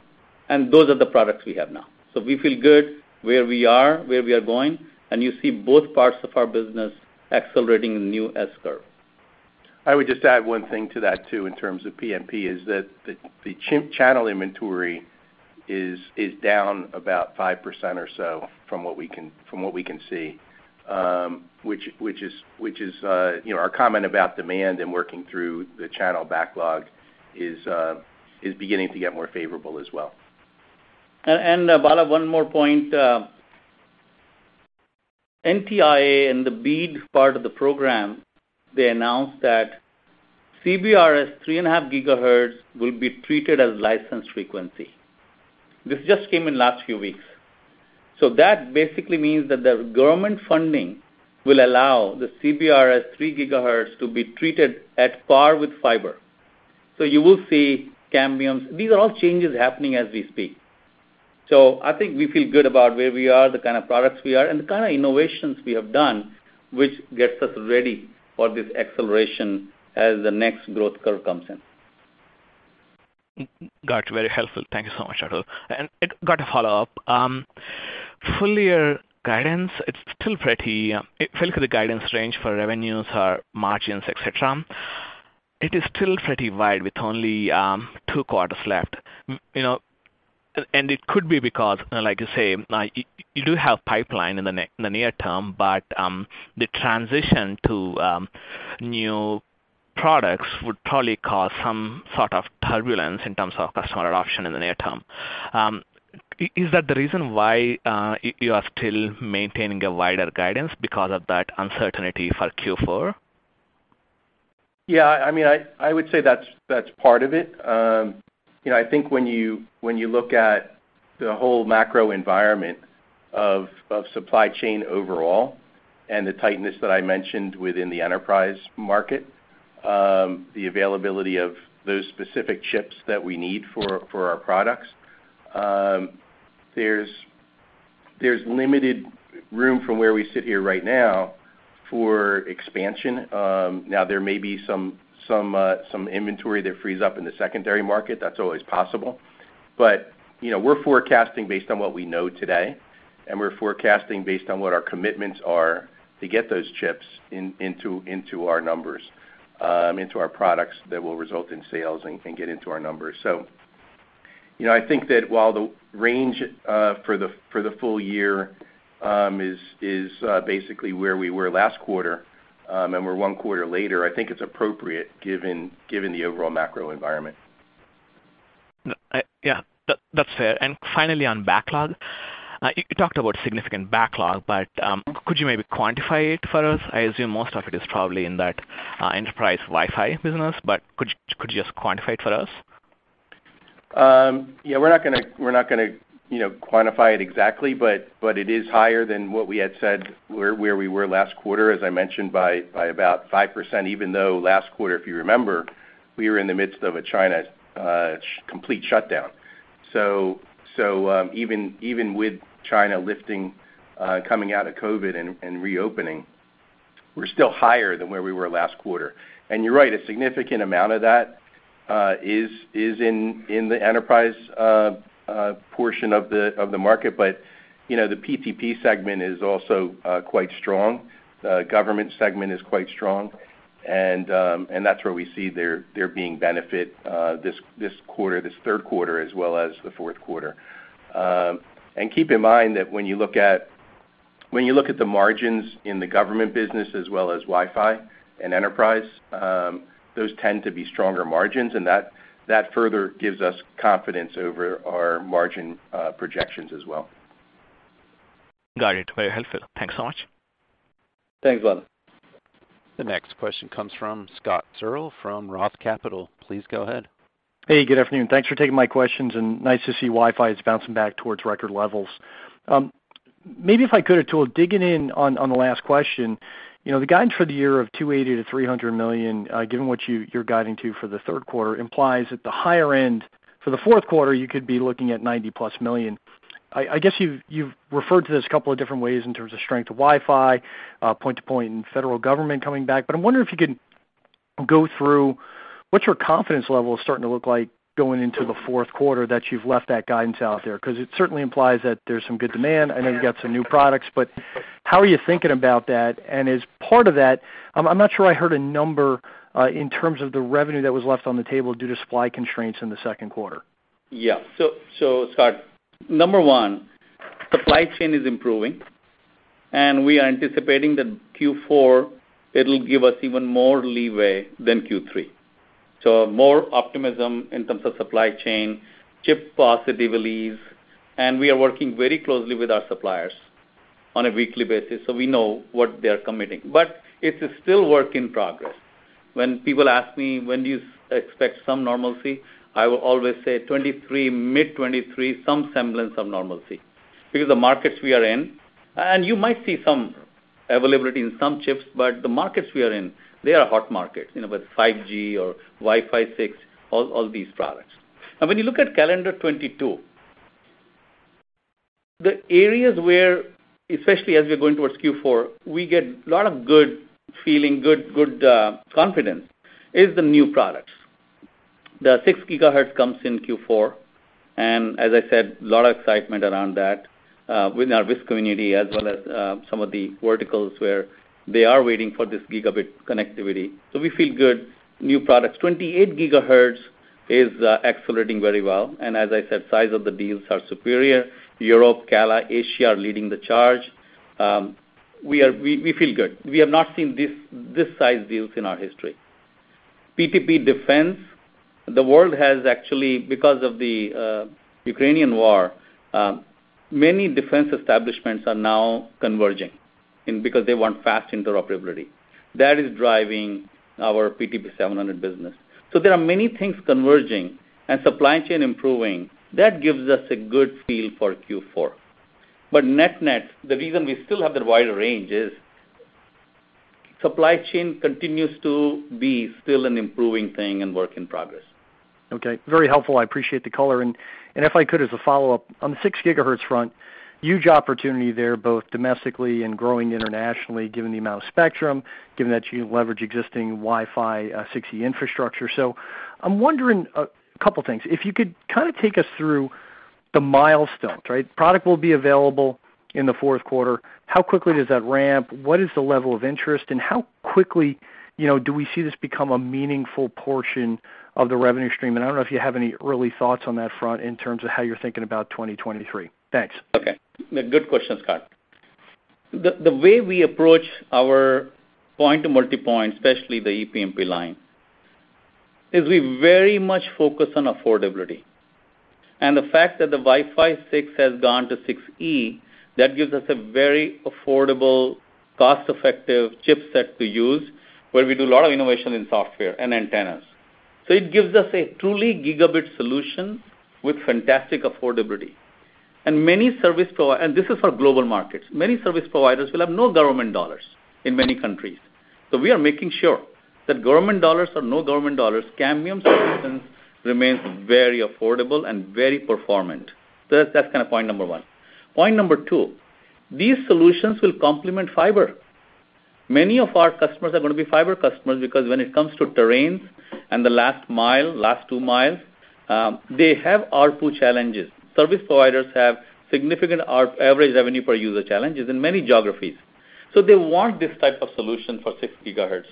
and those are the products we have now. We feel good where we are, where we are going, and you see both parts of our business accelerating in new S-curves. I would just add one thing to that, too, in terms of PMP, is that the channel inventory is down about 5% or so from what we can see, which is, you know, our comment about demand and working through the channel backlog is beginning to get more favorable as well. Bala, one more point. NTIA and the BEAD part of the program, they announced that CBRS 3.5 GHz will be treated as licensed frequency. This just came in last few weeks. That basically means that the government funding will allow the CBRS 3 GHz to be treated at par with fiber. You will see Cambium's. These are all changes happening as we speak. I think we feel good about where we are, the kind of products we are, and the kind of innovations we have done, which gets us ready for this acceleration as the next growth curve comes in. Got you. Very helpful. Thank you so much, Atul. I got a follow-up. Full year guidance, it's still pretty. If you look at the guidance range for revenues or margins, et cetera, it is still pretty wide with only two quarters left. You know, and it could be because, like you say, like you do have pipeline in the near term, but the transition to new products would probably cause some sort of turbulence in terms of customer adoption in the near term. Is that the reason why you are still maintaining a wider guidance because of that uncertainty for Q4? Yeah, I mean, I would say that's part of it. You know, I think when you look at the whole macro environment of supply chain overall and the tightness that I mentioned within the enterprise market, the availability of those specific chips that we need for our products, there's limited room from where we sit here right now for expansion. Now there may be some inventory that frees up in the secondary market. That's always possible. You know, we're forecasting based on what we know today, and we're forecasting based on what our commitments are to get those chips into our numbers, into our products that will result in sales and get into our numbers. You know, I think that while the range for the full year is basically where we were last quarter, and we're one quarter later, I think it's appropriate given the overall macro environment. Yeah, that's fair. Finally, on backlog, you talked about significant backlog, but could you maybe quantify it for us? I assume most of it is probably in that enterprise Wi-Fi business, but could you just quantify it for us? Yeah, we're not gonna quantify it exactly, but it is higher than what we had said where we were last quarter, as I mentioned, by about 5%, even though last quarter, if you remember, we were in the midst of a China complete shutdown. So even with China lifting coming out of COVID and reopening, we're still higher than where we were last quarter. And you're right, a significant amount of that is in the enterprise portion of the market. But you know, the PTP segment is also quite strong. The government segment is quite strong. And that's where we see there being benefit this quarter, this third quarter as well as the fourth quarter. Keep in mind that when you look at the margins in the government business as well as Wi-Fi and enterprise, those tend to be stronger margins, and that further gives us confidence over our margin projections as well. Got it. Very helpful. Thanks so much. Thanks, Bala. The next question comes from Scott Searle from Roth Capital. Please go ahead. Hey, good afternoon. Thanks for taking my questions, and nice to see Wi-Fi is bouncing back towards record levels. Maybe if I could, Atul, digging in on the last question, you know, the guidance for the year of $280 million-$300 million, given what you're guiding to for the third quarter, implies at the higher end for the fourth quarter, you could be looking at $90+ million. I guess you've referred to this a couple of different ways in terms of strength of Wi-Fi, point-to-point and federal government coming back, but I'm wondering if you could go through what your confidence level is starting to look like going into the fourth quarter that you've left that guidance out there 'cause it certainly implies that there's some good demand. I know you've got some new products, but how are you thinking about that? As part of that, I'm not sure I heard a number in terms of the revenue that was left on the table due to supply constraints in the second quarter. Yeah. Scott, number one, supply chain is improving, and we are anticipating that Q4, it'll give us even more leeway than Q3. More optimism in terms of supply chain, chips positively, and we are working very closely with our suppliers on a weekly basis, so we know what they're committing. It's still work in progress. When people ask me, "When do you expect some normalcy?" I will always say 2023, mid-2023, some semblance of normalcy, because the markets we are in. You might see some availability in some chips, but the markets we are in, they are hot markets, you know, with 5G or Wi-Fi 6, all these products. Now when you look at calendar 2022, the areas where, especially as we're going towards Q4, we get a lot of good feeling, good confidence, is the new products. The 6 GHz comes in Q4, and as I said, a lot of excitement around that within our WISP community as well as some of the verticals where they are waiting for this gigabit connectivity. We feel good. New products. 28 GHz is accelerating very well. As I said, size of the deals are superior. Europe, CALA, Asia are leading the charge. We feel good. We have not seen this size deals in our history. PTP defense, the world has actually, because of the Ukrainian war, many defense establishments are now converging and because they want fast interoperability. That is driving our PTP 700 business. There are many things converging and supply chain improving, that gives us a good feel for Q4. Net-net, the reason we still have the wider range is supply chain continues to be still an improving thing and work in progress. Okay. Very helpful. I appreciate the color. If I could, as a follow-up, on the 6 GHz front, huge opportunity there, both domestically and growing internationally, given the amount of spectrum, given that you leverage existing Wi-Fi 6 infrastructure. I'm wondering a couple things. If you could kinda take us through the milestones, right? Product will be available in the fourth quarter. How quickly does that ramp? What is the level of interest, and how quickly, you know, do we see this become a meaningful portion of the revenue stream? I don't know if you have any early thoughts on that front in terms of how you're thinking about 2023. Thanks. Okay. Good question, Scott. The way we approach our point to multipoint, especially the ePMP line, is we very much focus on affordability. The fact that the Wi-Fi 6 has gone to Wi-Fi 6E, that gives us a very affordable, cost-effective chipset to use, where we do a lot of innovation in software and antennas. It gives us a truly gigabit solution with fantastic affordability. This is for global markets. Many service providers will have no government dollars in many countries. We are making sure that government dollars or no government dollars, Cambium solutions remains very affordable and very performant. That's kind of point number one. Point number two, these solutions will complement fiber. Many of our customers are gonna be fiber customers because when it comes to terrains and the last mile, last two miles, they have ARPU challenges. Service providers have significant average revenue per user challenges in many geographies. They want this type of solution for 6 GHz.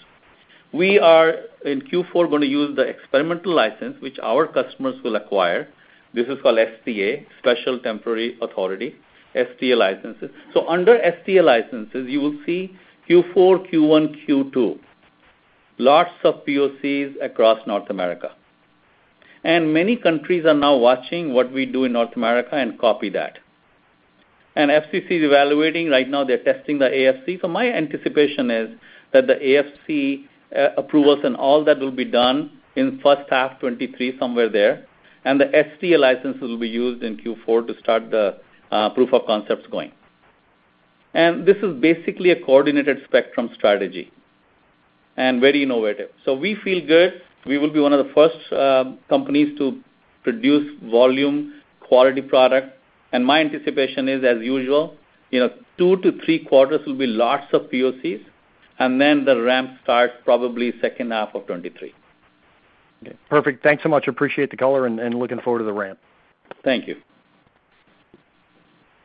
We are, in Q4, gonna use the experimental license, which our customers will acquire. This is called STA, Special Temporary Authority, STA licenses. Under STA licenses, you will see Q4, Q1, Q2, lots of POCs across North America. Many countries are now watching what we do in North America and copy that. FCC is evaluating. Right now, they're testing the AFC. My anticipation is that the AFC approvals and all that will be done in first half 2023, somewhere there, and the STA license will be used in Q4 to start the proof of concepts going. This is basically a coordinated spectrum strategy, and very innovative. We feel good. We will be one of the first companies to produce volume, quality product. My anticipation is, as usual, you know, two to three quarters will be lots of POCs, and then the ramp starts probably second half of 2023. Okay. Perfect. Thanks so much. Appreciate the color and looking forward to the ramp. Thank you.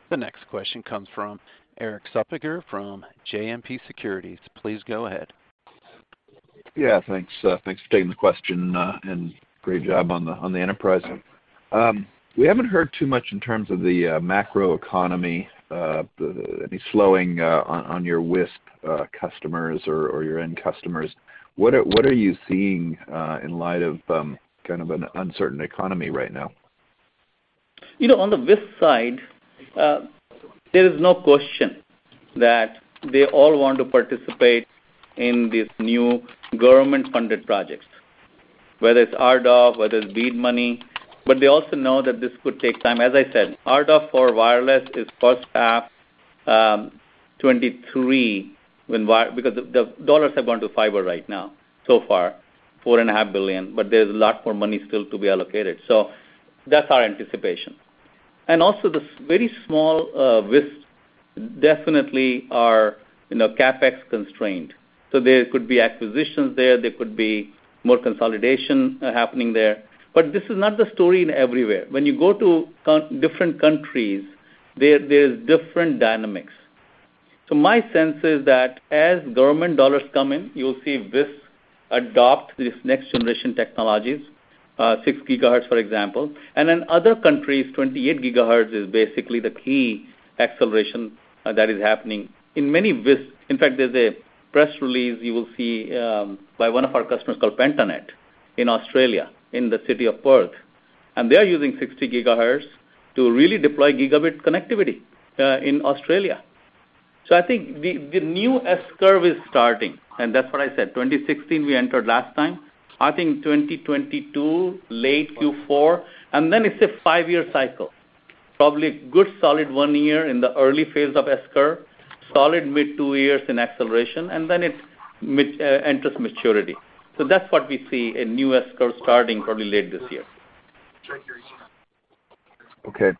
The next question comes from Erik Suppiger from JMP Securities. Please go ahead. Yeah, thanks. Thanks for taking the question, and great job on the enterprise. We haven't heard too much in terms of the macroeconomy, any slowing on your WISP customers or your end customers. What are you seeing in light of kind of an uncertain economy right now? You know, on the WISP side, there is no question that they all want to participate in these new government-funded projects, whether it's RDOF, whether it's BEAD money, but they also know that this could take time. As I said, RDOF for wireless is first half 2023 because the dollars have gone to fiber right now so far, $4.5 billion, but there's a lot more money still to be allocated. That's our anticipation. Also the very small WISPs definitely are, you know, CapEx-constrained. There could be acquisitions there could be more consolidation happening there. This is not the story everywhere. When you go to different countries, there's different dynamics. My sense is that as government dollars come in, you'll see WISPs adopt these next-generation technologies, 6 GHz, for example. In other countries, 28 GHz is basically the key acceleration that is happening. In many WISPs, in fact, there's a press release you will see by one of our customers called Pentanet in Australia, in the city of Perth, and they are using 60 GHz to really deploy gigabit connectivity in Australia. I think the new S-curve is starting, and that's what I said. 2016, we entered last time. I think 2022, late Q4, and then it's a five-year cycle. Probably a good solid one year in the early phase of S-curve, solid mid two years in acceleration, and then it enters maturity. That's what we see, a new S-curve starting probably late this year. Okay.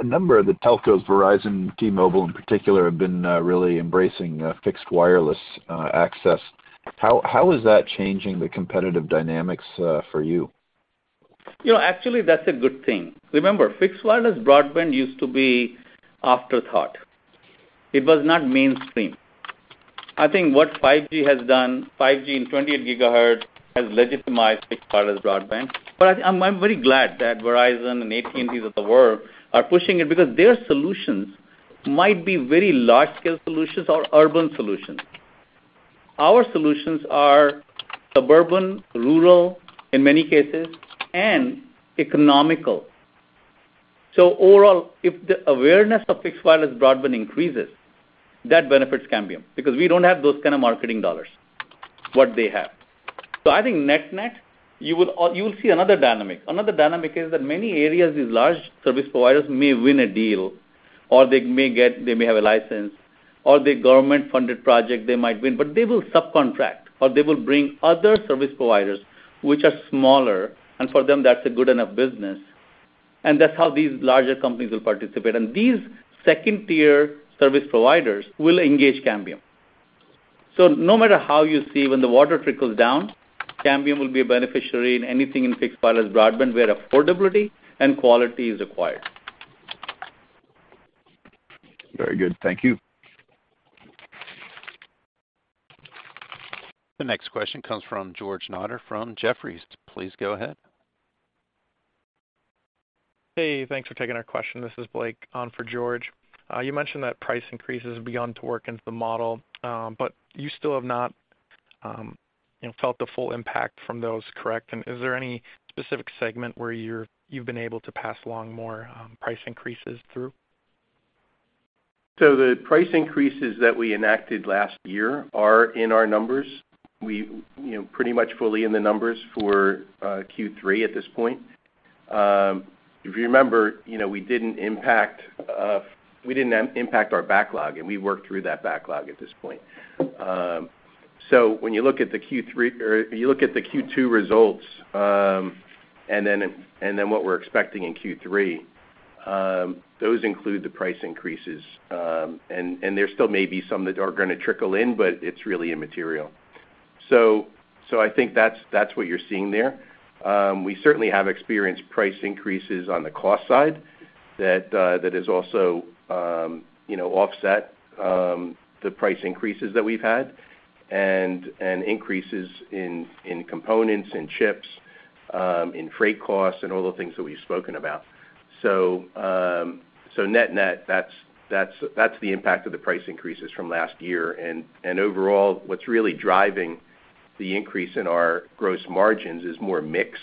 A number of the telcos, Verizon, T-Mobile in particular, have been really embracing fixed wireless access. How is that changing the competitive dynamics for you? You know, actually, that's a good thing. Remember, fixed wireless broadband used to be an afterthought. It was not mainstream. I think what 5G has done, 5G and 28 GHz has legitimized fixed wireless broadband. I'm very glad that Verizon and AT&T's of the world are pushing it because their solutions might be very large-scale solutions or urban solutions. Our solutions are suburban, rural in many cases, and economical. Overall, if the awareness of fixed wireless broadband increases, that benefits Cambium, because we don't have those kind of marketing dollars what they have. I think net-net, you will see another dynamic. Another dynamic is that many areas, these large service providers may win a deal, or they may have a license, or the government-funded project they might win, but they will subcontract, or they will bring other service providers which are smaller, and for them, that's a good enough business, and that's how these larger companies will participate. These second-tier service providers will engage Cambium. No matter how you see when the water trickles down, Cambium will be a beneficiary in anything in fixed wireless broadband where affordability and quality is required. Very good. Thank you. The next question comes from George Notter from Jefferies. Please go ahead. Hey, thanks for taking our question. This is Blake on for George. You mentioned that price increases have begun to work into the model, but you still have not, you know, felt the full impact from those, correct? Is there any specific segment where you've been able to pass along more price increases through? The price increases that we enacted last year are in our numbers. You know, pretty much fully in the numbers for Q3 at this point. If you remember, you know, we didn't impact our backlog, and we worked through that backlog at this point. When you look at the Q3 or you look at the Q2 results, and then what we're expecting in Q3, those include the price increases. There still may be some that are gonna trickle in, but it's really immaterial. I think that's what you're seeing there. We certainly have experienced price increases on the cost side that has also, you know, offset the price increases that we've had and increases in components, in chips, in freight costs and all the things that we've spoken about. Net-net, that's the impact of the price increases from last year. Overall, what's really driving the increase in our gross margins is more mix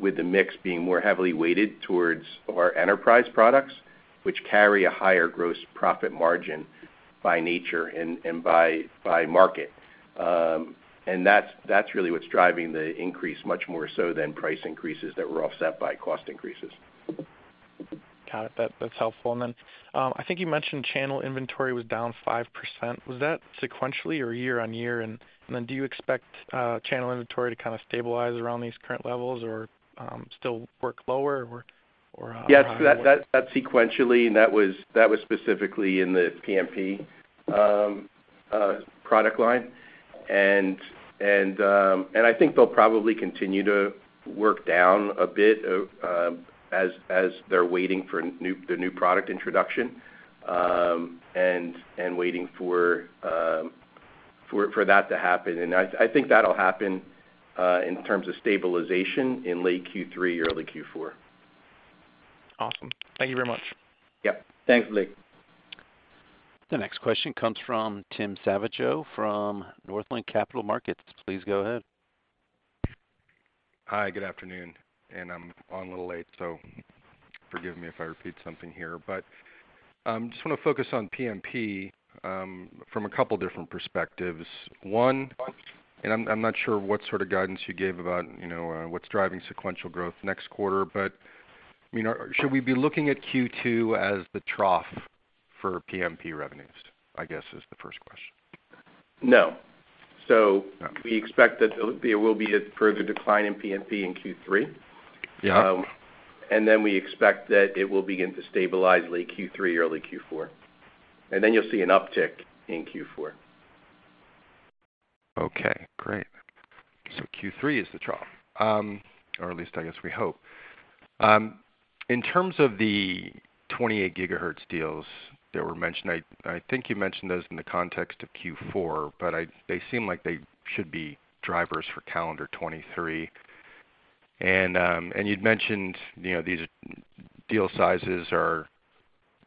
with the mix being more heavily weighted towards our enterprise products, which carry a higher gross profit margin by nature and by market. That's really what's driving the increase much more so than price increases that were offset by cost increases. Got it. That's helpful. I think you mentioned channel inventory was down 5%. Was that sequentially or year-over-year? Do you expect channel inventory to kind of stabilize around these current levels or still work lower or higher? Yes. That's sequentially, and that was specifically in the PMP product line. I think they'll probably continue to work down a bit, as they're waiting for the new product introduction, and waiting for that to happen. I think that'll happen in terms of stabilization in late Q3, early Q4. Awesome. Thank you very much. Yep. Thanks, Blake. The next question comes from Tim Savageaux from Northland Capital Markets. Please go ahead. Hi, good afternoon, and I'm a little late, so forgive me if I repeat something here. Just wanna focus on PMP from a couple different perspectives. One, I'm not sure what sort of guidance you gave about, you know, what's driving sequential growth next quarter, but I mean, should we be looking at Q2 as the trough for PMP revenues, I guess, is the first question. No. No. We expect that there will be a further decline in PMP in Q3. Yeah. We expect that it will begin to stabilize late Q3, early Q4. You'll see an uptick in Q4. Okay, great. Q3 is the trough, or at least I guess we hope. In terms of the 28 GHz deals that were mentioned, I think you mentioned those in the context of Q4, but they seem like they should be drivers for calendar 2023. You'd mentioned, you know, these deal sizes are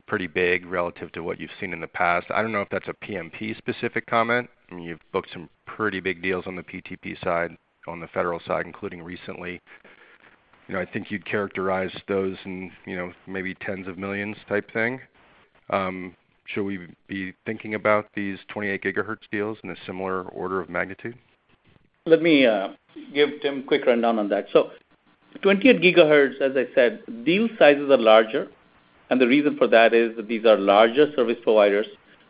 pretty big relative to what you've seen in the past. I don't know if that's a PMP specific comment. I mean, you've booked some pretty big deals on the PTP side, on the federal side, including recently. You know, I think you'd characterize those in, you know, maybe $10-$99 million type thing. Should we be thinking about these 28 GHz deals in a similar order of magnitude? Let me give Tim a quick rundown on that. 28 GHz, as I said, deal sizes are larger, and the reason for that is that these are larger service providers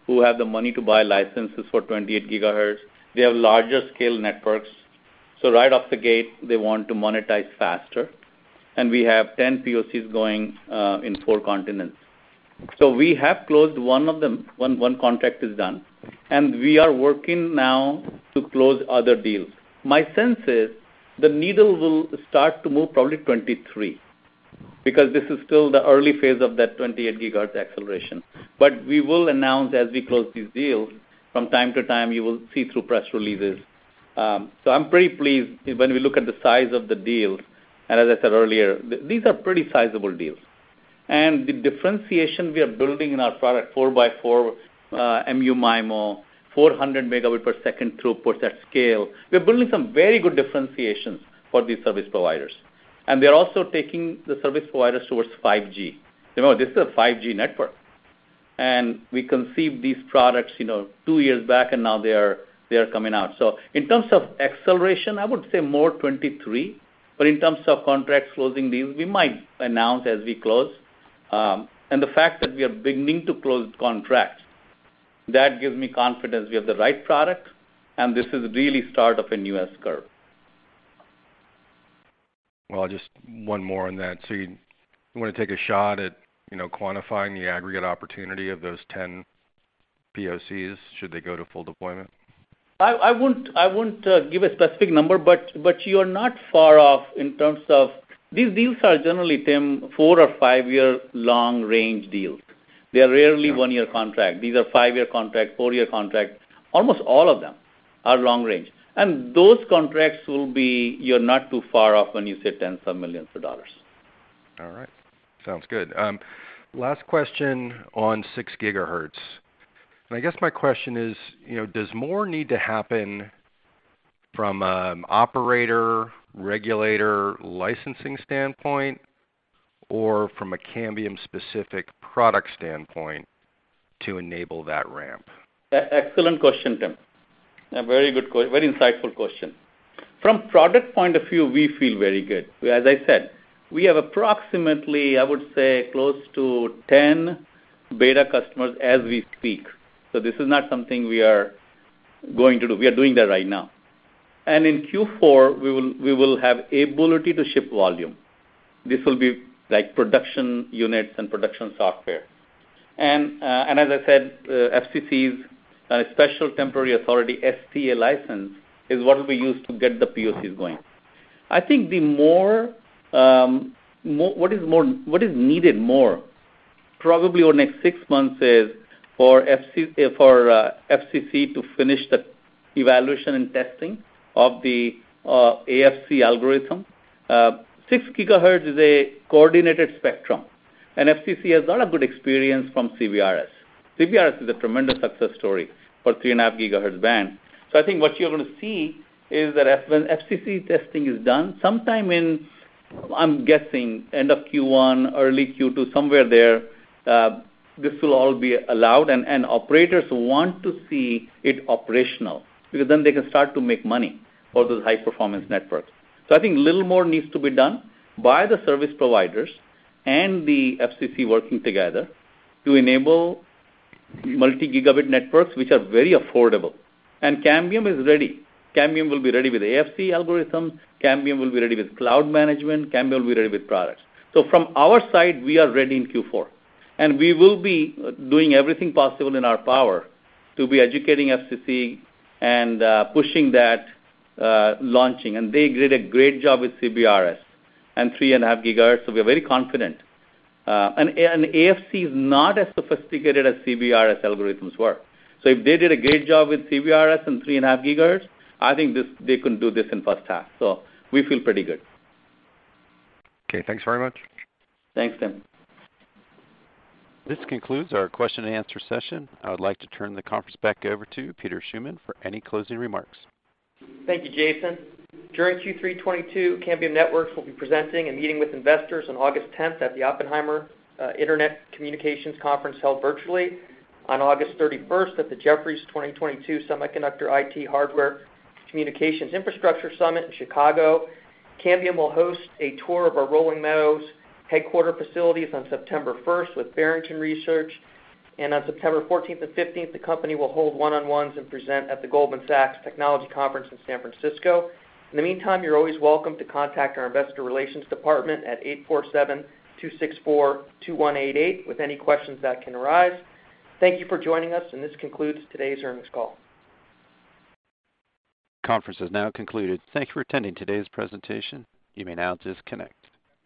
who have the money to buy licenses for 28 GHz. They have larger scale networks, so right off the gate, they want to monetize faster. We have 10 POCs going in four continents. We have closed one of them. One contract is done, and we are working now to close other deals. My sense is the needle will start to move probably 2023, because this is still the early phase of that 28 GHz acceleration. We will announce as we close these deals from time to time, you will see through press releases. I'm pretty pleased when we look at the size of the deal. As I said earlier, these are pretty sizable deals. The differentiation we are building in our product, 4x4 MU-MIMO, 400 Mbps throughputs at scale, we're building some very good differentiations for these service providers. They're also taking the service provider towards 5G. You know, this is a 5G network, and we conceived these products, you know, two years back, and now they are coming out. In terms of acceleration, I would say more 2023, but in terms of contracts closing deals, we might announce as we close. The fact that we are beginning to close contracts, that gives me confidence we have the right product and this is really start of a new S-curve. Well, just one more on that. You wanna take a shot at, you know, quantifying the aggregate opportunity of those 10 POCs should they go to full deployment? I wouldn't give a specific number, but you're not far off in terms of these deals are generally, Tim, four or five-year long-range deals. They are rarely one-year contract. These are five-year contract, four-year contract. Almost all of them are long-range. Those contracts will be, you're not too far off when you say tens of millions of dollars. All right. Sounds good. Last question on 6 GHz. I guess my question is, you know, does more need to happen from an operator, regulator licensing standpoint, or from a Cambium specific product standpoint to enable that ramp? Excellent question, Tim. A very good, very insightful question. From product point of view, we feel very good. As I said, we have approximately, I would say, close to 10 beta customers as we speak. So this is not something we are going to do. We are doing that right now. In Q4, we will have ability to ship volume. This will be like production units and production software. As I said, FCC's special temporary authority, STA license, is what we use to get the POCs going. I think what is needed more probably over next six months is for FCC to finish the evaluation and testing of the AFC algorithm. 6 GHz is a coordinated spectrum, and FCC has got a good experience from CBRS. CBRS is a tremendous success story for 3.5 GHz band. I think what you're gonna see is that as the FCC testing is done, sometime in, I'm guessing end of Q1, early Q2, somewhere there, this will all be allowed and operators want to see it operational because then they can start to make money for those high-performance networks. I think a little more needs to be done by the service providers and the FCC working together to enable multi-gigabit networks, which are very affordable. Cambium is ready. Cambium will be ready with AFC algorithm. Cambium will be ready with cloud management. Cambium will be ready with products. From our side, we are ready in Q4, and we will be doing everything possible in our power to be educating FCC and pushing that launching. They did a great job with CBRS and 3.5 GHz, so we are very confident. AFC is not as sophisticated as CBRS algorithms were. If they did a great job with CBRS and 3.5 GHz, I think they can do this in first half. We feel pretty good. Okay, thanks very much. Thanks, Tim. This concludes our question and answer session. I would like to turn the conference back over to Peter Schuman for any closing remarks. Thank you, Jason. During Q3 2022, Cambium Networks will be presenting and meeting with investors on August 10th, at the Oppenheimer Internet Communications Conference held virtually, on August 31st, at the Jefferies 2022 Semiconductor IT Hardware Communications Infrastructure Summit in Chicago. Cambium will host a tour of our Rolling Meadows headquarters facilities on September 1 with Barrington Research. On September 14 and 15, the company will hold one-on-ones and present at the Goldman Sachs Technology Conference in San Francisco. In the meantime, you're always welcome to contact our investor relations department at 847-264-2188 with any questions that can arise. Thank you for joining us, and this concludes today's earnings call. Conference is now concluded. Thank you for attending today's presentation. You may now disconnect.